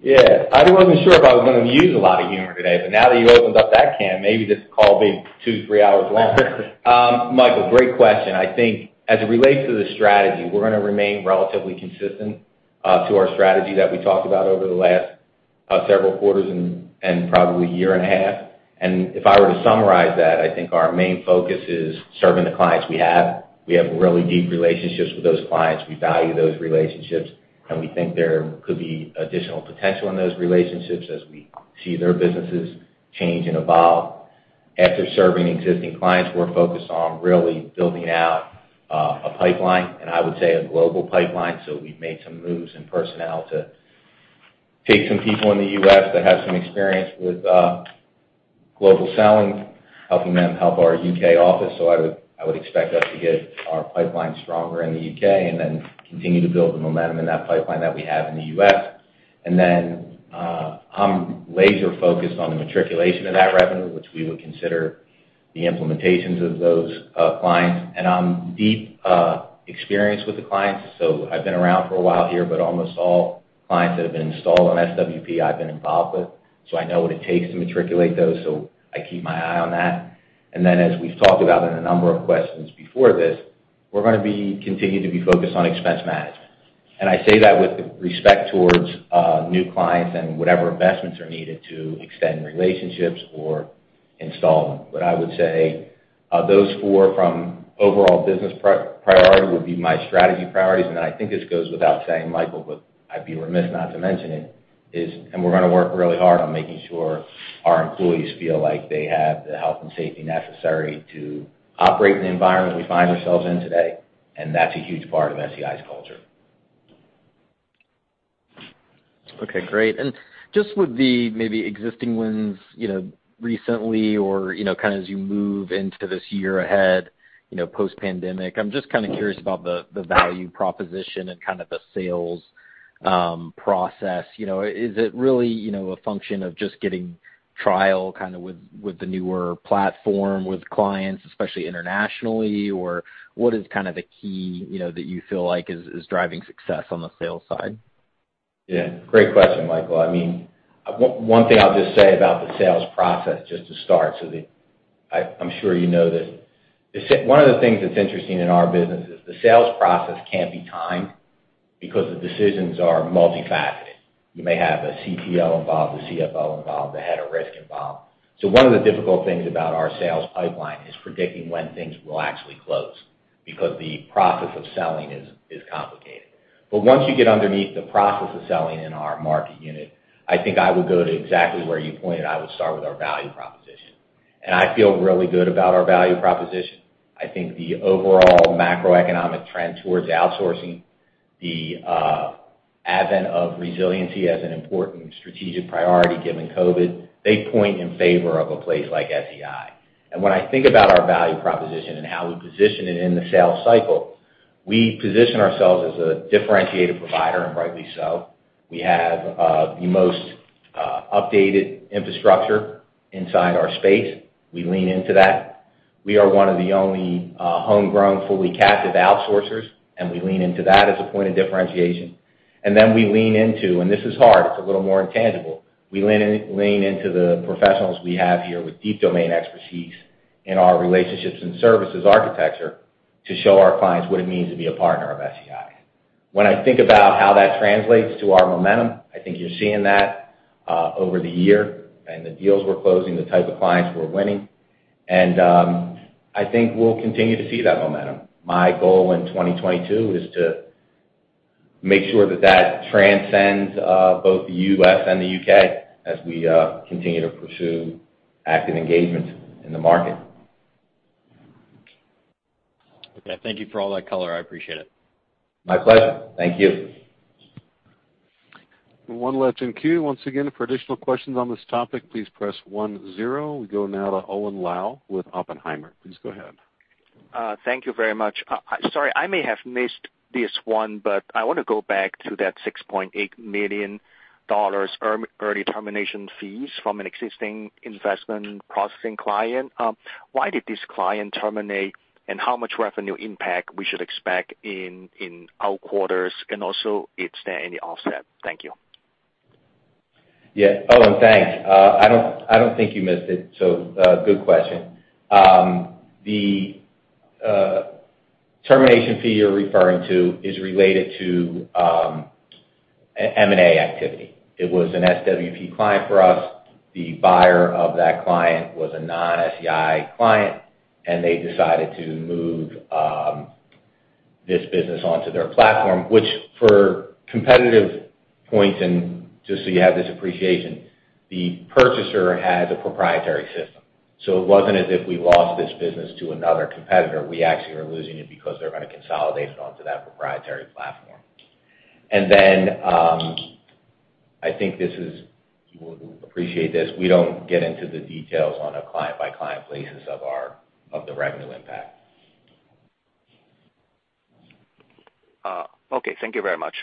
Yeah. I wasn't sure if I was gonna use a lot of humor today, but now that you opened up that can, maybe this call will be two, three hours long. Michael, great question. I think as it relates to the strategy, we're gonna remain relatively consistent to our strategy that we talked about over the last several quarters and probably year and a half. If I were to summarize that, I think our main focus is serving the clients we have. We have really deep relationships with those clients. We value those relationships, and we think there could be additional potential in those relationships as we see their businesses change and evolve. After serving existing clients, we're focused on really building out a pipeline, and I would say a global pipeline. We've made some moves in personnel to take some people in the U.S. that have some experience with global selling, helping them help our U.K. office. I would expect us to get our pipeline stronger in the U.K. and then continue to build the momentum in that pipeline that we have in the U.S. I'm laser-focused on the materialization of that revenue, which we would consider the implementations of those clients. I'm deeply experienced with the clients, so I've been around for a while here, but almost all clients that have been installed on SWP, I've been involved with. I know what it takes to materialize those, so I keep my eye on that. As we've talked about in a number of questions before this, we're gonna continue to be focused on expense management. I say that with respect towards, new clients and whatever investments are needed to extend relationships or install them. I would say, those four from overall business priority would be my strategy priorities. I think this goes without saying, Michael, but I'd be remiss not to mention it, and we're gonna work really hard on making sure our employees feel like they have the health and safety necessary to operate in the environment we find ourselves in today, and that's a huge part of SEI's culture. Okay, great. Just with the maybe existing wins, you know, recently or, you know, kinda as you move into this year ahead, you know, post-pandemic, I'm just kinda curious about the value proposition and kind of the sales process. You know, is it really, you know, a function of just getting trial kinda with the newer platform with clients, especially internationally? What is kind of the key, you know, that you feel like is driving success on the sales side? Yeah, great question, Michael. I mean, one thing I'll just say about the sales process just to start. I'm sure you know this. One of the things that's interesting in our business is the sales process can't be timed because the decisions are multifaceted. You may have a CPO involved, a CFO involved, a head of risk involved. One of the difficult things about our sales pipeline is predicting when things will actually close because the process of selling is complicated. But once you get underneath the process of selling in our market unit, I think I would go to exactly where you pointed. I would start with our value proposition. I feel really good about our value proposition. I think the overall macroeconomic trend towards outsourcing, the advent of resiliency as an important strategic priority given COVID, they point in favor of a place like SEI. When I think about our value proposition and how we position it in the sales cycle, we position ourselves as a differentiated provider, and rightly so. We have the most updated infrastructure inside our space. We lean into that. We are one of the only homegrown, fully captive outsourcers, and we lean into that as a point of differentiation. Then we lean into, and this is hard, it's a little more intangible, we lean into the professionals we have here with deep domain expertise in our relationships and services architecture to show our clients what it means to be a partner of SEI. When I think about how that translates to our momentum, I think you're seeing that over the year and the deals we're closing, the type of clients we're winning, and I think we'll continue to see that momentum. My goal in 2022 is to make sure that transcends both the U.S. and the U.K. as we continue to pursue active engagement in the market. Okay. Thank you for all that color. I appreciate it. My pleasure. Thank you. One left in queue. Once again, for additional questions on this topic, please press one zero. We go now to Owen Lau with Oppenheimer. Please go ahead. Thank you very much. Sorry, I may have missed this one, but I want to go back to that $6.8 million early termination fees from an existing investment processing client. Why did this client terminate, and how much revenue impact we should expect in our quarters, and also is there any offset? Thank you. Yeah. Owen, thanks. I don't think you missed it, so good question. The termination fee you're referring to is related to M&A activity. It was an SWP client for us. The buyer of that client was a non-SEI client, and they decided to move this business onto their platform, which, for competitive points, and just so you have this appreciation, the purchaser has a proprietary system. It wasn't as if we lost this business to another competitor. We actually are losing it because they're gonna consolidate it onto that proprietary platform. I think this is you will appreciate this. We don't get into the details on a client-by-client basis of our revenue impact. Okay. Thank you very much.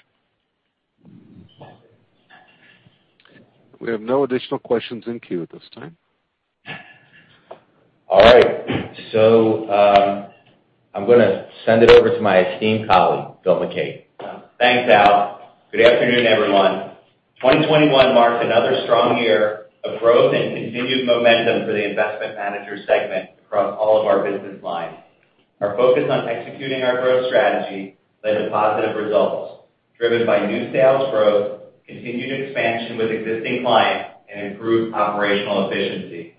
We have no additional questions in queue at this time. All right. I'm gonna send it over to my esteemed colleague, Phil McCabe. Thanks, Al. Good afternoon, everyone. 2021 marks another strong year of growth and continued momentum for the investment manager segment across all of our business lines. Our focus on executing our growth strategy led to positive results driven by new sales growth, continued expansion with existing clients, and improved operational efficiency.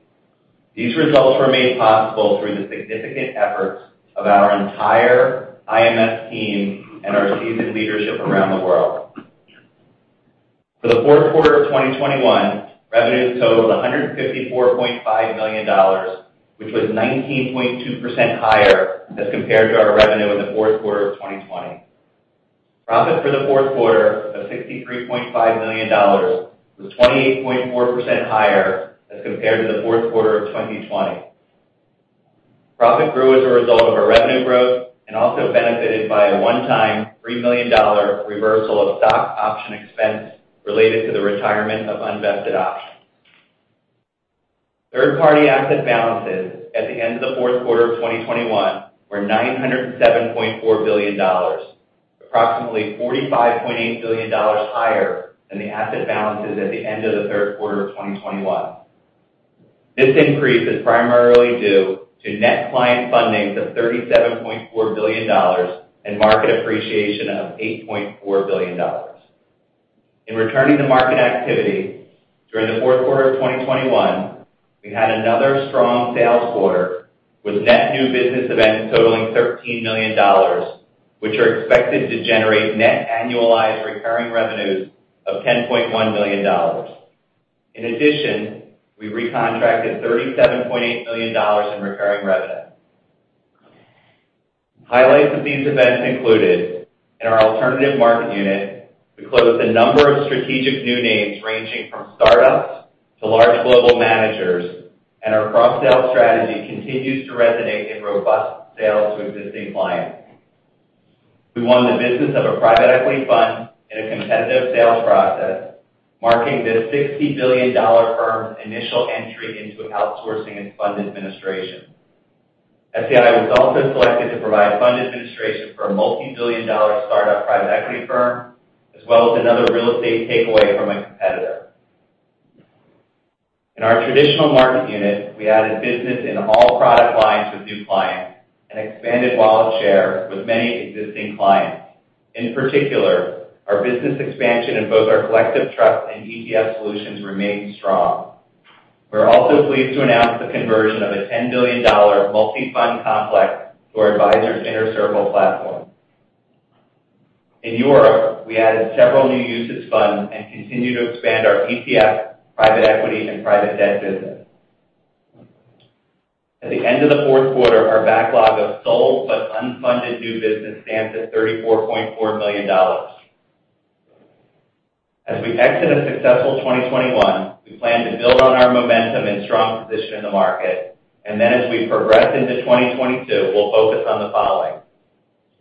These results were made possible through the significant efforts of our entire IMS team and our seasoned leadership around the world. For the fourth quarter of 2021, revenues totaled $154.5 million, which was 19.2% higher as compared to our revenue in the fourth quarter of 2020. Profit for the fourth quarter of $63.5 million was 28.4% higher as compared to the fourth quarter of 2020. Profit grew as a result of our revenue growth and also benefited by a one-time $3 million reversal of stock option expense related to the retirement of unvested options. Third-party asset balances at the end of the fourth quarter of 2021 were $907.4 billion, approximately $45.8 billion higher than the asset balances at the end of the third quarter of 2021. This increase is primarily due to net client fundings of $37.4 billion and market appreciation of $8.4 billion. In returning to market activity, during the fourth quarter of 2021, we had another strong sales quarter with net new business events totaling $13 million, which are expected to generate net annualized recurring revenues of $10.1 million. In addition, we recontracted $37.8 million in recurring revenue. Highlights of these events included in our alternative market unit, we closed a number of strategic new names ranging from startups to large global managers, and our cross-sell strategy continues to resonate in robust sales to existing clients. We won the business of a private equity fund in a competitive sales process, marking this $60 billion firm's initial entry into outsourcing its fund administration. SEI was also selected to provide fund administration for a multi-billion-dollar startup private equity firm, as well as another real estate takeaway from a competitor. In our traditional market unit, we added business in all product lines with new clients and expanded wallet share with many existing clients. In particular, our business expansion in both our collective trust and ETF solutions remained strong. We're also pleased to announce the conversion of a $10 billion multi-fund complex to our Advisors' Inner Circle Fund. In Europe, we added several new UCITS funds and continue to expand our ETF, private equity, and private debt business. At the end of the fourth quarter, our backlog of sold but unfunded new business stands at $34.4 million. As we exit a successful 2021, we plan to build on our momentum and strong position in the market. As we progress into 2022, we'll focus on the following,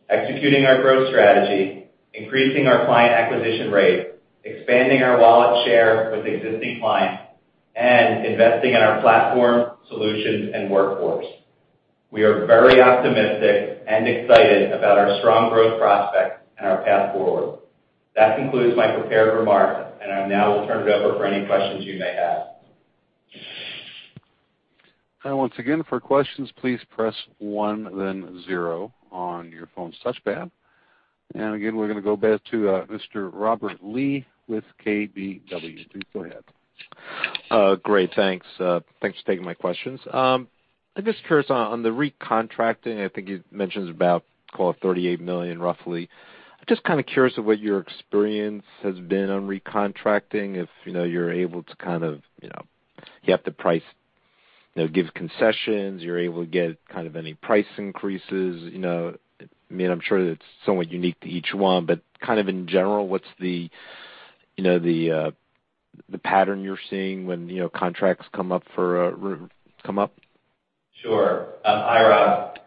executing our growth strategy, increasing our client acquisition rate, expanding our wallet share with existing clients, and investing in our platform, solutions, and workforce. We are very optimistic and excited about our strong growth prospects and our path forward. That concludes my prepared remarks, and I now will turn it over for any questions you may have. Once again, for questions, please press one then zero on your phone's touch pad. We're gonna go back to Mr. Robert Lee with KBW. Please go ahead. Great. Thanks for taking my questions. I'm just curious on the recontracting. I think you mentioned about, call it $38 million roughly. I'm just kind of curious of what your experience has been on recontracting if, you know, you're able to kind of, you know, you have to price, you know, give concessions, you're able to get kind of any price increases, you know. I mean, I'm sure it's somewhat unique to each one, but kind of in general, what's the, you know, the pattern you're seeing when, you know, contracts come up? Sure. Hi, Rob.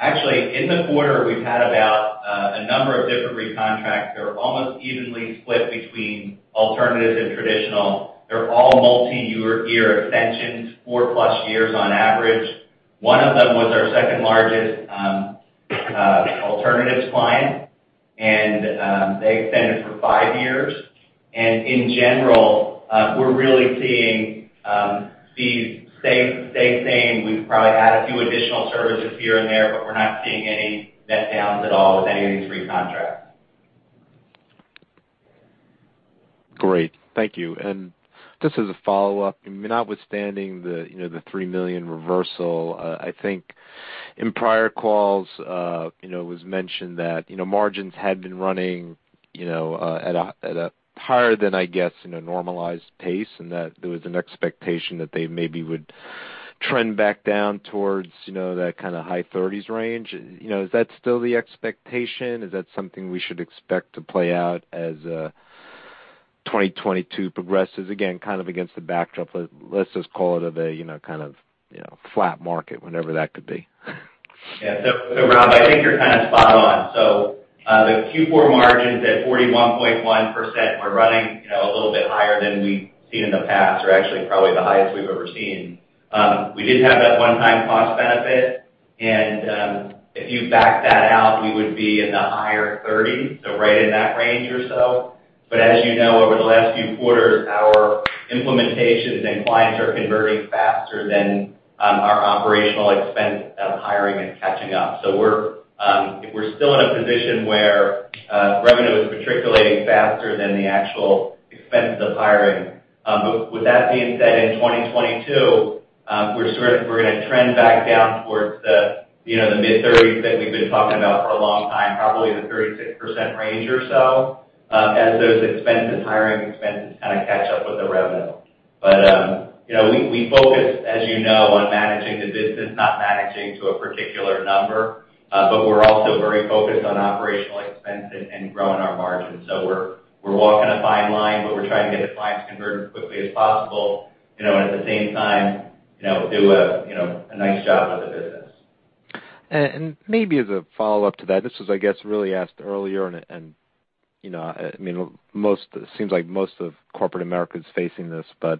Actually, in the quarter, we've had about a number of different recontracts. They're almost evenly split between alternative and traditional. They're all multi-year year extensions, 4+ years on average. One of them was our second-largest alternatives client, and they extended for five years. In general, we're really seeing fees stay same. We've probably had a few additional services here and there, but we're not seeing any letdowns at all with any of these recontracts. Great. Thank you. Just as a follow-up, I mean, notwithstanding the, you know, the $3 million reversal, I think in prior calls, you know, it was mentioned that, you know, margins had been running, you know, at a higher than, I guess, in a normalized pace, and that there was an expectation that they maybe would trend back down towards, you know, that kinda high 30s% range. You know, is that still the expectation? Is that something we should expect to play out as 2022 progresses, again, kind of against the backdrop of let's just call it a, you know, kind of, you know, flat market, whatever that could be? Yeah. Rob, I think you're kinda spot on. The Q4 margins at 41.1% were running, you know, a little bit higher than we've seen in the past, or actually probably the highest we've ever seen. We did have that one-time cost benefit and, if you back that out, we would be in the higher 30s, right in that range or so. As you know, over the last few quarters, our implementations and clients are converting faster than our operational expense of hiring and catching up. We're still in a position where revenue is materializing faster than the actual expenses of hiring. With that being said, in 2022, we're sort of gonna trend back down towards the, you know, the mid-30s that we've been talking about for a long time, probably the 36% range or so, as those expenses, hiring expenses, kinda catch up with the revenue. You know, we focus, as you know, on managing the business, not managing to a particular number. We're also very focused on operational expenses and growing our margins. We're walking a fine line, but we're trying to get the clients converted as quickly as possible, you know, and at the same time, you know, do a, you know, a nice job with the business. Maybe as a follow-up to that, this was, I guess, really asked earlier and, you know, I mean, it seems like most of corporate America is facing this. You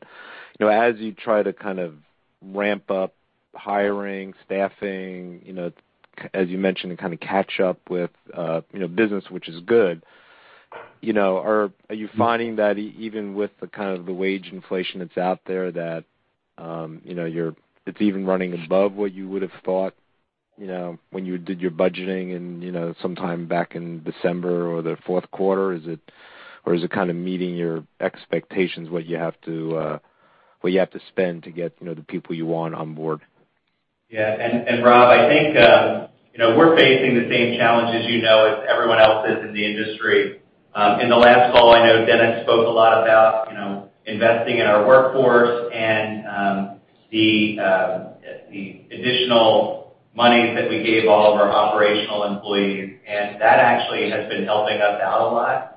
know, as you try to kind of ramp up hiring, staffing, you know, as you mentioned, and kinda catch up with, you know, business, which is good, you know, are you finding that even with the kind of wage inflation that's out there, that, you know, it's even running above what you would have thought, you know, when you did your budgeting and, you know, sometime back in December or the fourth quarter? Or is it kinda meeting your expectations, what you have to spend to get, you know, the people you want on board? Rob, I think we're facing the same challenges as everyone else is in the industry. In the last call, I know Dennis spoke a lot about investing in our workforce and the additional moneys that we gave all of our operational employees, and that actually has been helping us out a lot.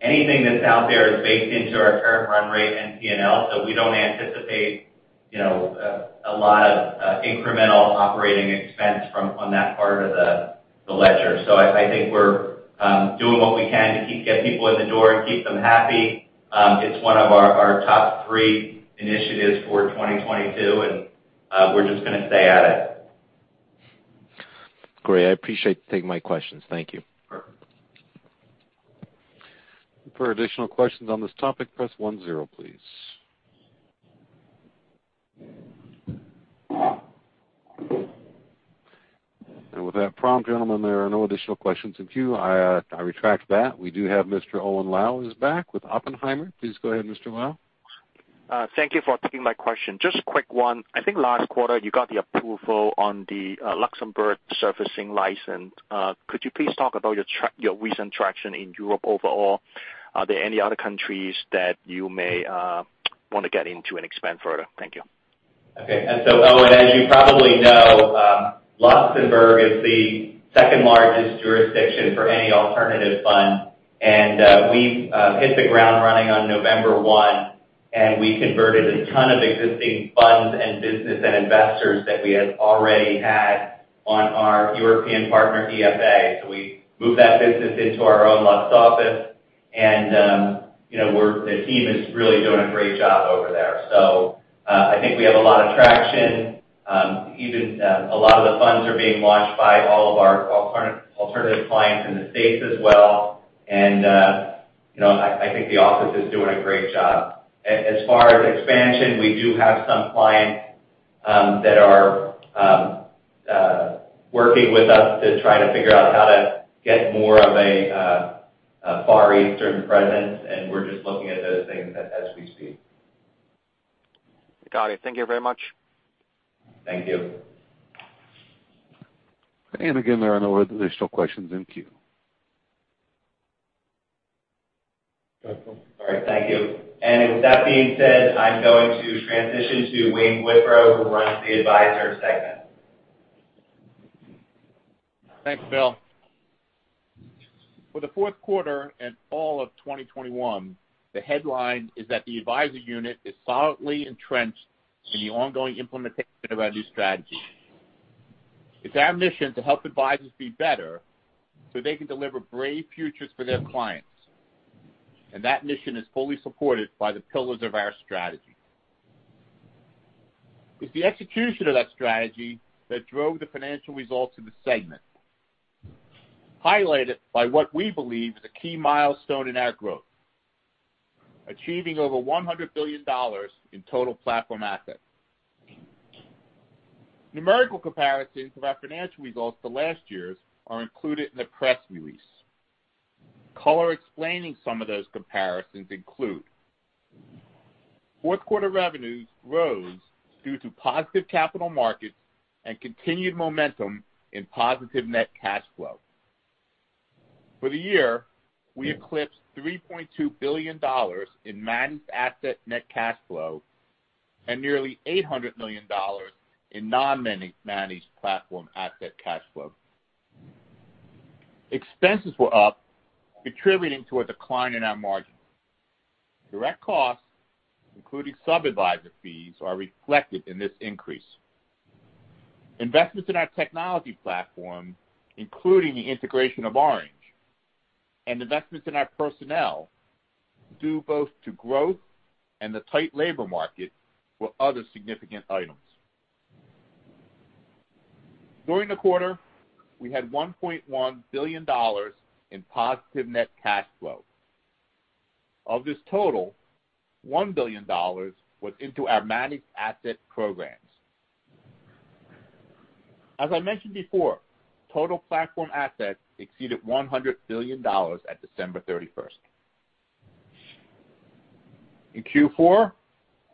Anything that's out there is baked into our current run rate and P&L. We don't anticipate a lot of incremental operating expense on that part of the ledger. I think we're doing what we can to get people in the door and keep them happy. It's one of our top three initiatives for 2022, and we're just gonna stay at it. Great. I appreciate you taking my questions. Thank you. Perfect. With that prompt, gentlemen, there are no additional questions in queue. I retract that. We do have Mr. Owen Lau back with Oppenheimer. Please go ahead, Mr. Lau. Thank you for taking my question. Just a quick one. I think last quarter you got the approval on the Luxembourg servicing license. Could you please talk about your recent traction in Europe overall? Are there any other countries that you may want to get into and expand further? Thank you. Okay. Owen, as you probably know, Luxembourg is the second-largest jurisdiction for any alternative fund. We've hit the ground running on November one, and we converted a ton of existing funds and business and investors that we had already had on our European partner, EFA. We moved that business into our own Lux office, you know, the team is really doing a great job over there. I think we have a lot of traction. Even a lot of the funds are being launched by all of our alternative clients in the States as well. You know, I think the office is doing a great job. As far as expansion, we do have some clients that are working with us to try to figure out how to get more of a Far Eastern presence, and we're just looking at those things as we speak. Got it. Thank you very much. Thank you. Again, there are no other additional questions in queue. All right, thank you. With that being said, I'm going to transition to Wayne Withrow, who runs the Advisor segment. Thanks, Bill. For the fourth quarter and all of 2021, the headline is that the advisor unit is solidly entrenched in the ongoing implementation of our new strategy. It's our mission to help advisors be better so they can deliver brave futures for their clients. That mission is fully supported by the pillars of our strategy. It's the execution of that strategy that drove the financial results in the segment, highlighted by what we believe is a key milestone in our growth, achieving over $100 billion in total platform assets. Numerical comparisons of our financial results to last year's are included in the press release. Color explaining some of those comparisons include fourth quarter revenues rose due to positive capital markets and continued momentum in positive net cash flow. For the year, we eclipsed $3.2 billion in managed asset net cash flow and nearly $800 million in non-managed platform asset cash flow. Expenses were up, contributing to a decline in our margin. Direct costs, including sub-adviser fees, are reflected in this increase. Investments in our technology platform, including the integration of Oranj and investments in our personnel due both to growth and the tight labor market, were other significant items. During the quarter, we had $1.1 billion in positive net cash flow. Of this total, $1 billion was into our managed asset programs. As I mentioned before, total platform assets exceeded $100 billion at December 31st. In Q4,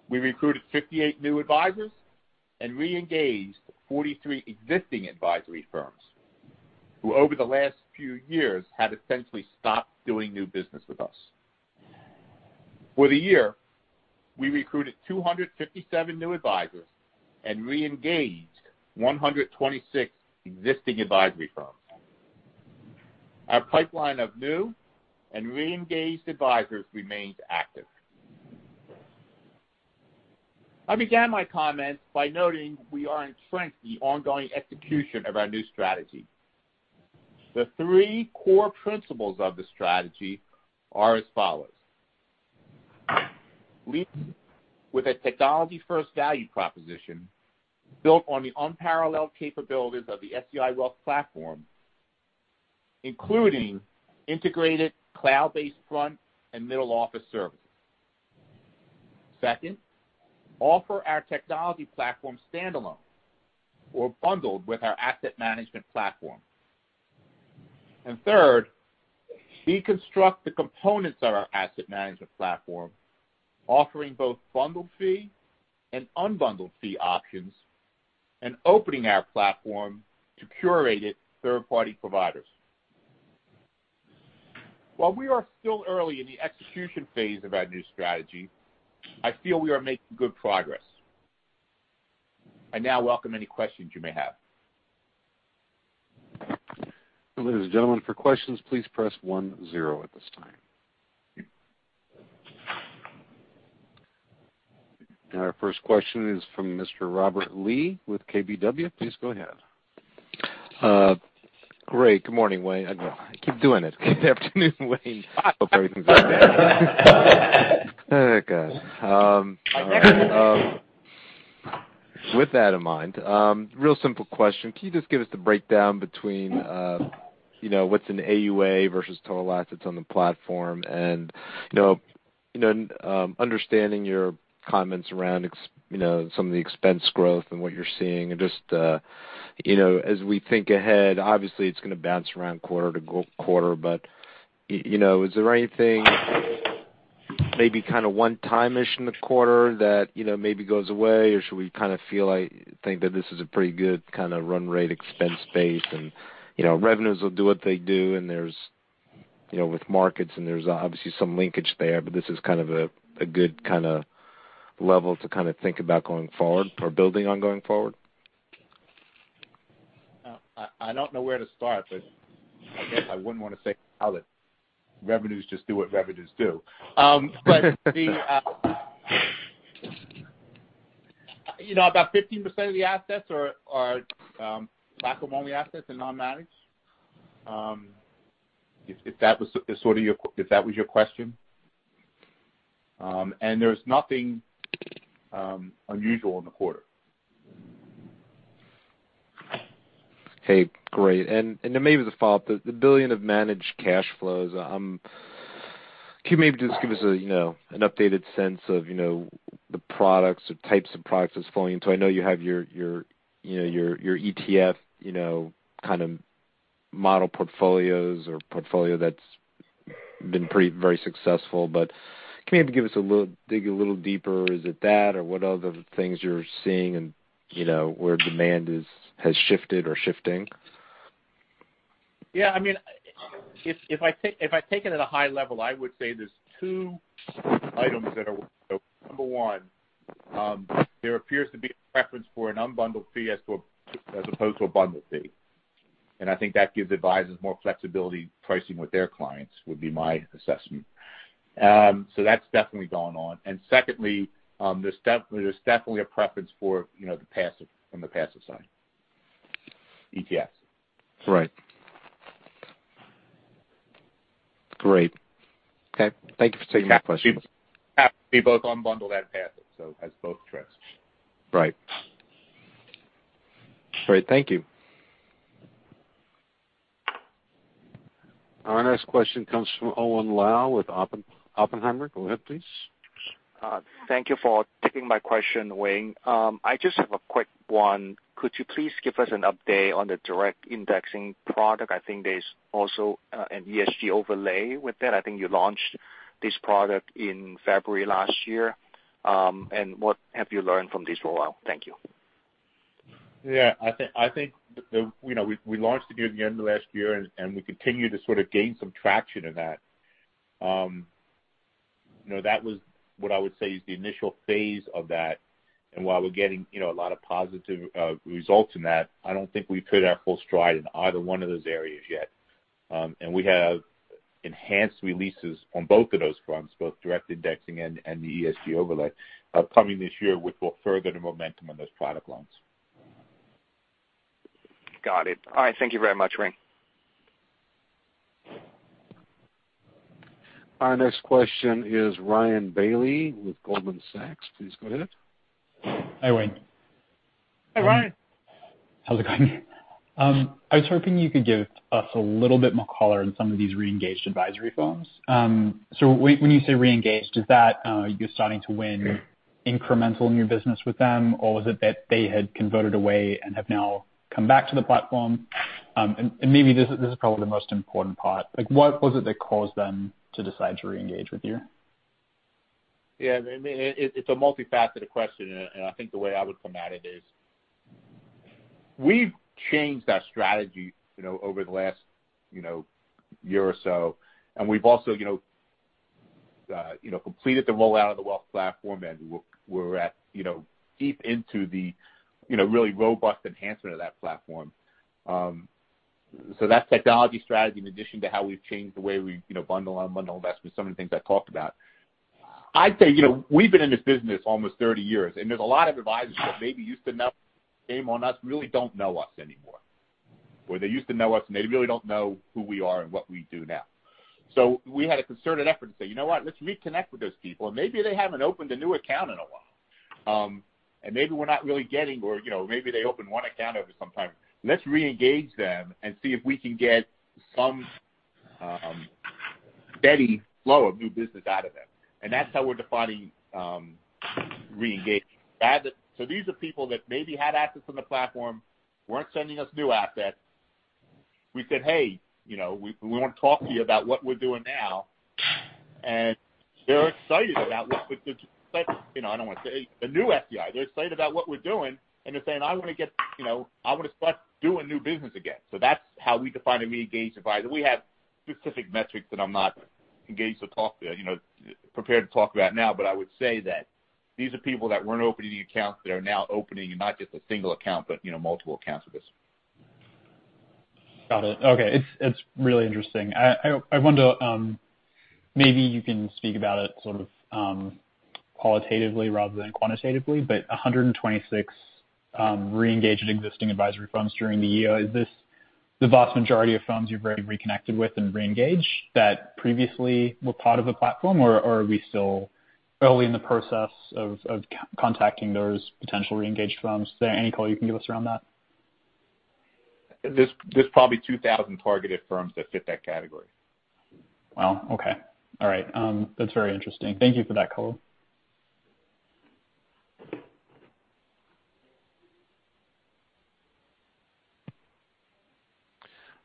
we recruited 58 new advisors and re-engaged 43 existing advisory firms who over the last few years had essentially stopped doing new business with us. For the year, we recruited 257 new advisors and re-engaged 126 existing advisory firms. Our pipeline of new and re-engaged advisors remains active. I began my comments by noting we are entrenched in the ongoing execution of our new strategy. The three core principles of the strategy are as follows. Lead with a technology-first value proposition built on the unparalleled capabilities of the SEI Wealth Platform, including integrated cloud-based front and middle office services. Second, offer our technology platform standalone or bundled with our asset management platform. Third, deconstruct the components of our asset management platform, offering both bundled fee and unbundled fee options, and opening our platform to curated third-party providers. While we are still early in the execution phase of our new strategy, I feel we are making good progress. I now welcome any questions you may have. Ladies and gentlemen, for questions, please press one zero at this time. Our first question is from Mr. Robert Lee with KBW. Please go ahead. Great. Good morning, Wayne. I keep doing it. Good afternoon, Wayne. I hope everything's okay. With that in mind, real simple question. Can you just give us the breakdown between, you know, what's an AUA versus total assets on the platform? You know, understanding your comments around ex- you know, some of the expense growth and what you're seeing. Just, you know, as we think ahead, obviously it's going to bounce around quarter to quarter. You know, is there anything maybe kind of one-time-ish in the quarter that, you know, maybe goes away? Should we kind of feel like, think that this is a pretty good kind of run rate expense base and, you know, revenues will do what they do and there's, you know, with markets and there's obviously some linkage there, but this is kind of a good kind of level to kind of think about going forward or building on going forward? I don't know where to start, but I guess I wouldn't want to say how the revenues just do what revenues do. You know, about 15% of the assets are platform-only assets and non-managed. If that was sort of your question. There's nothing unusual in the quarter. Okay, great. Maybe the follow-up, the $1 billion of managed cash flows, can you maybe just give us a, you know, an updated sense of, you know, the products or types of products that's flowing in? I know you have your, you know, your ETF, you know, kind of model portfolios or portfolio that's been pretty very successful. But Can you maybe dig a little deeper? Is it that or what other things you're seeing and, you know, where demand is, has shifted or shifting? Yeah. I mean, if I take it at a high level, I would say there's two items that are. Number one, there appears to be a preference for an unbundled fee as opposed to a bundled fee. I think that gives advisors more flexibility pricing with their clients, would be my assessment. That's definitely going on. Secondly, there's definitely a preference for, you know, the passive, from the passive side, ETFs. Right. Great. Okay, thank you for taking my question. Happy to be both unbundled and passive, so as both trends. Right. Great. Thank you. Our next question comes from Owen Lau with Oppenheimer. Go ahead, please. Thank you for taking my question, Wayne. I just have a quick one. Could you please give us an update on the direct indexing product? I think there's also an ESG overlay with that. I think you launched this product in February last year. What have you learned from this rollout? Thank you. Yeah. I think you know, we launched it near the end of last year, and we continue to sort of gain some traction in that. You know, that was what I would say is the initial phase of that. While we're getting you know, a lot of positive results in that, I don't think we've hit our full stride in either one of those areas yet. We have enhanced releases on both of those fronts, both direct indexing and the ESG overlay, coming this year which will further the momentum on those product lines. Got it. All right. Thank you very much, Wayne. Our next question is Ryan Bailey with Goldman Sachs. Please go ahead. Hi, Wayne. Hi, Ryan. How's it going? I was hoping you could give us a little bit more color on some of these re-engaged advisory firms. When you say re-engaged, is that you're starting to win incremental new business with them, or was it that they had converted away and have now come back to the platform? Maybe this is probably the most important part. Like, what was it that caused them to decide to re-engage with you? Yeah. I mean, it's a multifaceted question, and I think the way I would come at it is we've changed our strategy, you know, over the last year or so, and we've also completed the rollout of the wealth platform, and we're deep into really robust enhancement of that platform. That's technology strategy in addition to how we've changed the way we, you know, bundle and unbundle investments, some of the things I talked about. I'd say, you know, we've been in this business almost 30 years, and there's a lot of advisors that maybe used to know our name on us really don't know us anymore. Or they used to know us, and they really don't know who we are and what we do now. We had a concerted effort to say, "You know what? Let's reconnect with those people, and maybe they haven't opened a new account in a while. And maybe we're not really getting or, you know, maybe they opened one account over some time. Let's re-engage them and see if we can get some, steady flow of new business out of them." That's how we're defining, re-engagement. These are people that maybe had assets on the platform, weren't sending us new assets. We said, "Hey, you know, we wanna talk to you about what we're doing now." They're excited about what we're doing, you know. I don't wanna say the new SEI. They're excited about what we're doing, and they're saying, "I wanna get, you know, I wanna start doing new business again." That's how we define a re-engaged advisor. We have specific metrics that I'm not prepared to talk about now, but I would say that these are people that weren't opening the accounts that are now opening, and not just a single account, but, you know, multiple accounts with us. Got it. Okay. It's really interesting. I wonder, maybe you can speak about it sort of, qualitatively rather than quantitatively, but 126 re-engaged existing advisory firms during the year. Is this the vast majority of firms you've reconnected with and re-engaged that previously were part of the platform, or are we still early in the process of contacting those potential re-engaged firms? Is there any color you can give us around that? There's probably 2,000 targeted firms that fit that category. Wow. Okay. All right. That's very interesting. Thank you for that color.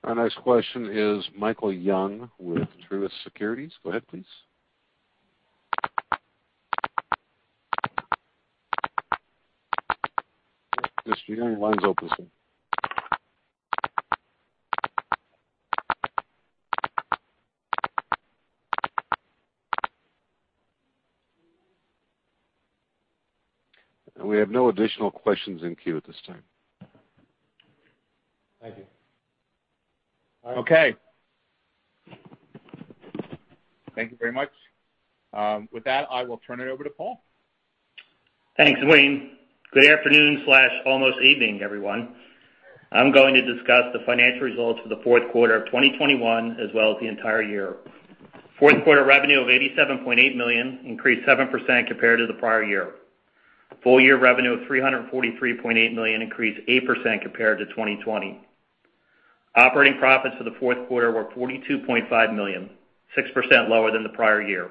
Our next question is Michael Young with Truist Securities. Go ahead, please. Mr. Young, your line's open, sir. We have no additional questions in queue at this time. Thank you. Okay. Thank you very much. With that, I will turn it over to Paul. Thanks, Wayne. Good afternoon, almost evening, everyone. I'm going to discuss the financial results for the fourth quarter of 2021, as well as the entire year. Fourth quarter revenue of $87.8 million increased 7% compared to the prior year. Full year revenue of $343.8 million increased 8% compared to 2020. Operating profits for the fourth quarter were $42.5 million, 6% lower than the prior year.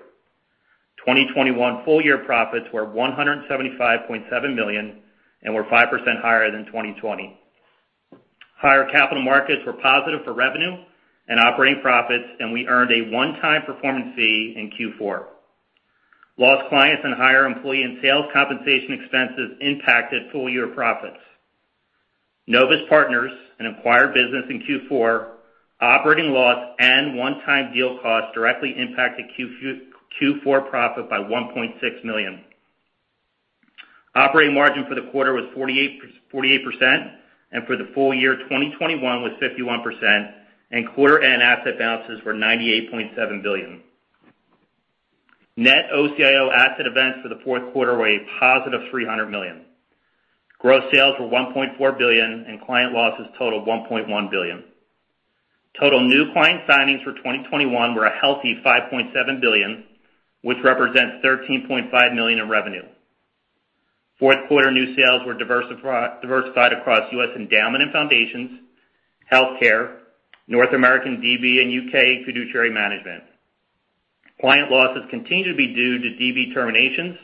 2021 full year profits were $175.7 million and were 5% higher than 2020. Higher capital markets were positive for revenue and operating profits, and we earned a one-time performance fee in Q4. Lost clients and higher employee and sales compensation expenses impacted full year profits. Novus Partners, an acquired business in Q4, operating loss and one-time deal costs directly impacted Q4 profit by $1.6 million. Operating margin for the quarter was 48%, and for the full year 2021 was 51%, and quarter-end asset balances were $98.7 billion. Net OCIO asset events for the fourth quarter were a +$300 million. Gross sales were $1.4 billion, and client losses totaled $1.1 billion. Total new client signings for 2021 were a healthy $5.7 billion, which represents $13.5 million in revenue. Fourth quarter new sales were diversified across U.S. endowment and foundations, healthcare, North American DB, and U.K. fiduciary management. Client losses continue to be due to DB terminations,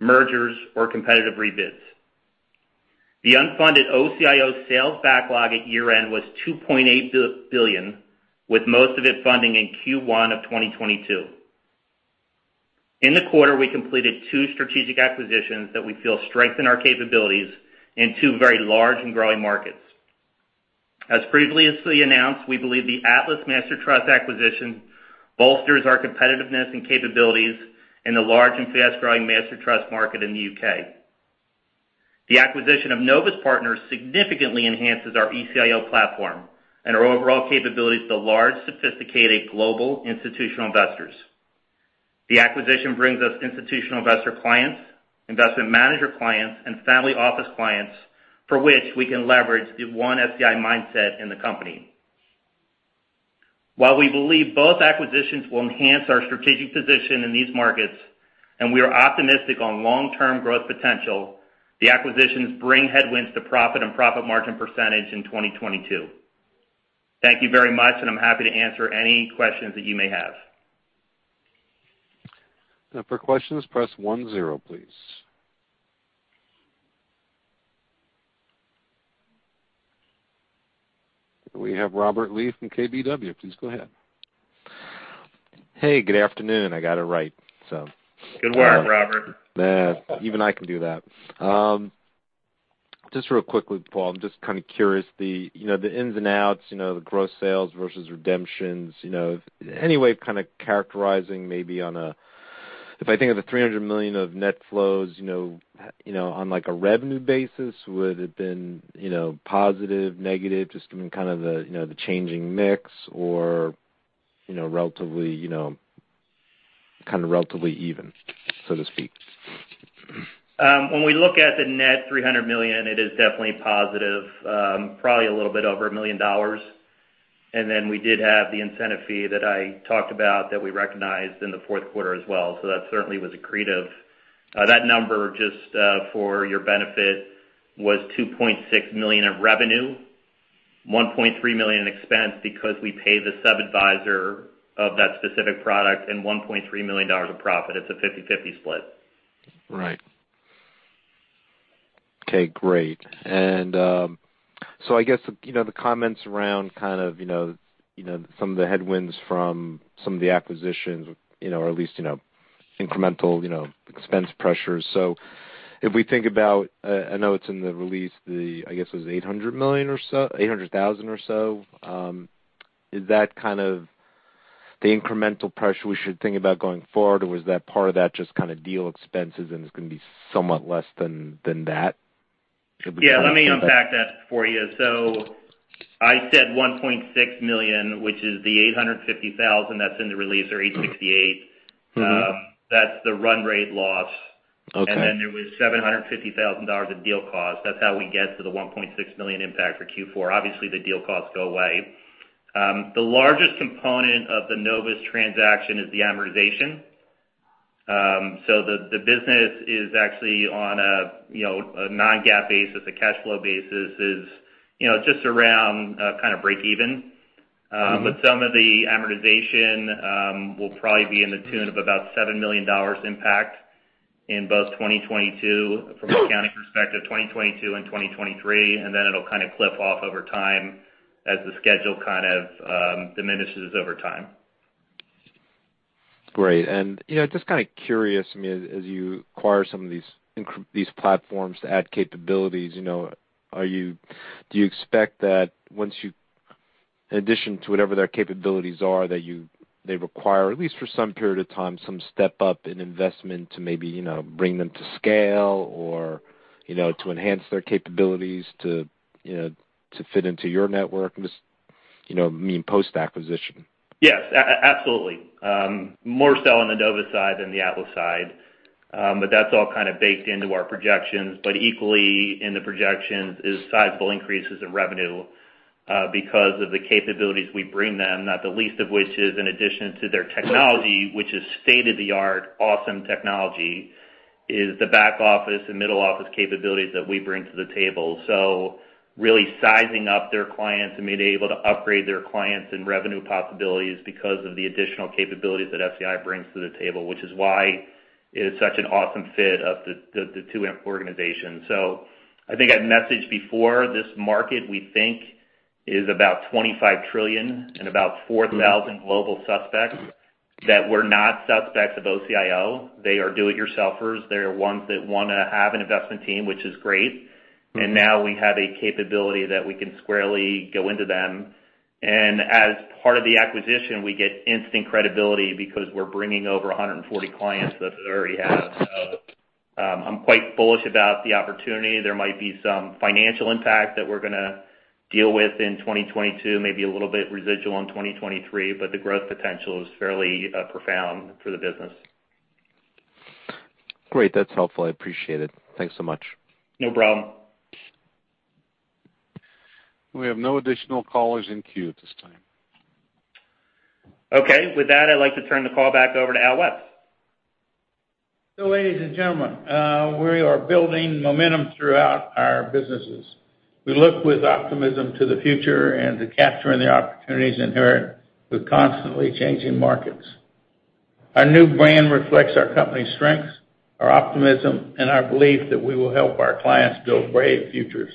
mergers, or competitive rebids. The unfunded OCIO sales backlog at year-end was $2.8 billion, with most of it funding in Q1 of 2022. In the quarter, we completed two strategic acquisitions that we feel strengthen our capabilities in two very large and growing markets. As previously announced, we believe the Atlas Master Trust acquisition bolsters our competitiveness and capabilities in the large and fast-growing master trust market in the U.K. The acquisition of Novus Partners significantly enhances our ECIO platform and our overall capabilities to large, sophisticated global institutional investors. The acquisition brings us institutional investor clients, investment manager clients, and family office clients for which we can leverage the One-SEI mindset in the company. While we believe both acquisitions will enhance our strategic position in these markets, and we are optimistic on long-term growth potential, the acquisitions bring headwinds to profit and profit margin percentage in 2022. Thank you very much, and I'm happy to answer any questions that you may have. We have Robert Lee from KBW. Please go ahead. Hey, good afternoon. I got it right, so. Good work, Robert. Even I can do that. Just real quickly, Paul, I'm just kinda curious. You know, the ins and outs, you know, the gross sales versus redemptions, you know, any way of kinda characterizing maybe on a... If I think of the $300 million of net flows, you know, on, like a revenue basis, would it been, you know, positive, negative, just from kind of the, you know, the changing mix or, you know, relatively, you know, kinda relatively even, so to speak? When we look at the net $300 million, it is definitely positive, probably a little bit over $1 million. Then we did have the incentive fee that I talked about that we recognized in the fourth quarter as well. That certainly was accretive. That number, just, for your benefit, was $2.6 million in revenue, $1.3 million in expense because we pay the sub-adviser of that specific product, and $1.3 million of profit. It's a 50/50 split. Right. Okay, great. I guess, you know, the comments around kind of, you know, some of the headwinds from some of the acquisitions, you know, or at least, incremental, you know, expense pressures. If we think about, I know it's in the release, the, I guess it was $800 million or so, $800,000 or so, is that kind of the incremental pressure we should think about going forward, or was that part of that just kinda deal expenses and it's gonna be somewhat less than that? Should we- Yeah, let me unpack that for you. I said $1.6 million, which is the $850 thousand that's in the release, or $868. Mm-hmm. That's the run rate loss. Okay. There was $750,000 of deal costs. That's how we get to the $1.6 million impact for Q4. Obviously, the deal costs go away. The largest component of the Novus transaction is the amortization. So the business is actually on a, you know, a non-GAAP basis, a cash flow basis is, you know, just around kind of break even. But some of the amortization will probably be to the tune of about $7 million impact in both 2022, from an accounting perspective, 2022 and 2023. Then it'll kinda clip off over time as the schedule kind of diminishes over time. Great. You know, just kinda curious, I mean, as you acquire some of these platforms to add capabilities, you know, do you expect that once you in addition to whatever their capabilities are, that they require, at least for some period of time, some step-up in investment to maybe, you know, bring them to scale or, you know, to enhance their capabilities to, you know, to fit into your network? Just, you know, I mean post-acquisition. Yes. Absolutely. More so on the Novus side than the Atlas side. That's all kind of baked into our projections. Equally in the projections is sizable increases in revenue, because of the capabilities we bring them, not the least of which is in addition to their technology, which is state-of-the-art, awesome technology, is the back office and middle office capabilities that we bring to the table. Really sizing up their clients and being able to upgrade their clients and revenue possibilities because of the additional capabilities that SEI brings to the table, which is why it is such an awesome fit of the two organizations. I think I've messaged before, this market, we think, is about $25 trillion and about 4,000 global prospects that were not prospects of OCIO. They are do-it-yourselfers. They are ones that wanna have an investment team, which is great. Mm-hmm. Now we have a capability that we can squarely go into them. As part of the acquisition, we get instant credibility because we're bringing over 140 clients that they already have. I'm quite bullish about the opportunity. There might be some financial impact that we're gonna deal with in 2022, maybe a little bit residual in 2023, but the growth potential is fairly profound for the business. Great. That's helpful. I appreciate it. Thanks so much. No problem. We have no additional callers in queue at this time. Okay. With that, I'd like to turn the call back over to Al West. Ladies and gentlemen, we are building momentum throughout our businesses. We look with optimism to the future and to capturing the opportunities inherent with constantly changing markets. Our new brand reflects our company's strengths, our optimism, and our belief that we will help our clients build brave futures.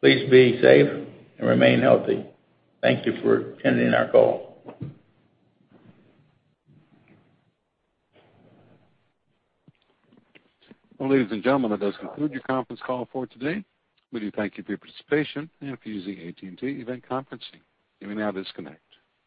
Please be safe and remain healthy. Thank you for attending our call. Well, ladies and gentlemen, that does conclude your conference call for today. We do thank you for your participation and for using AT&T Event Conferencing. You may now disconnect.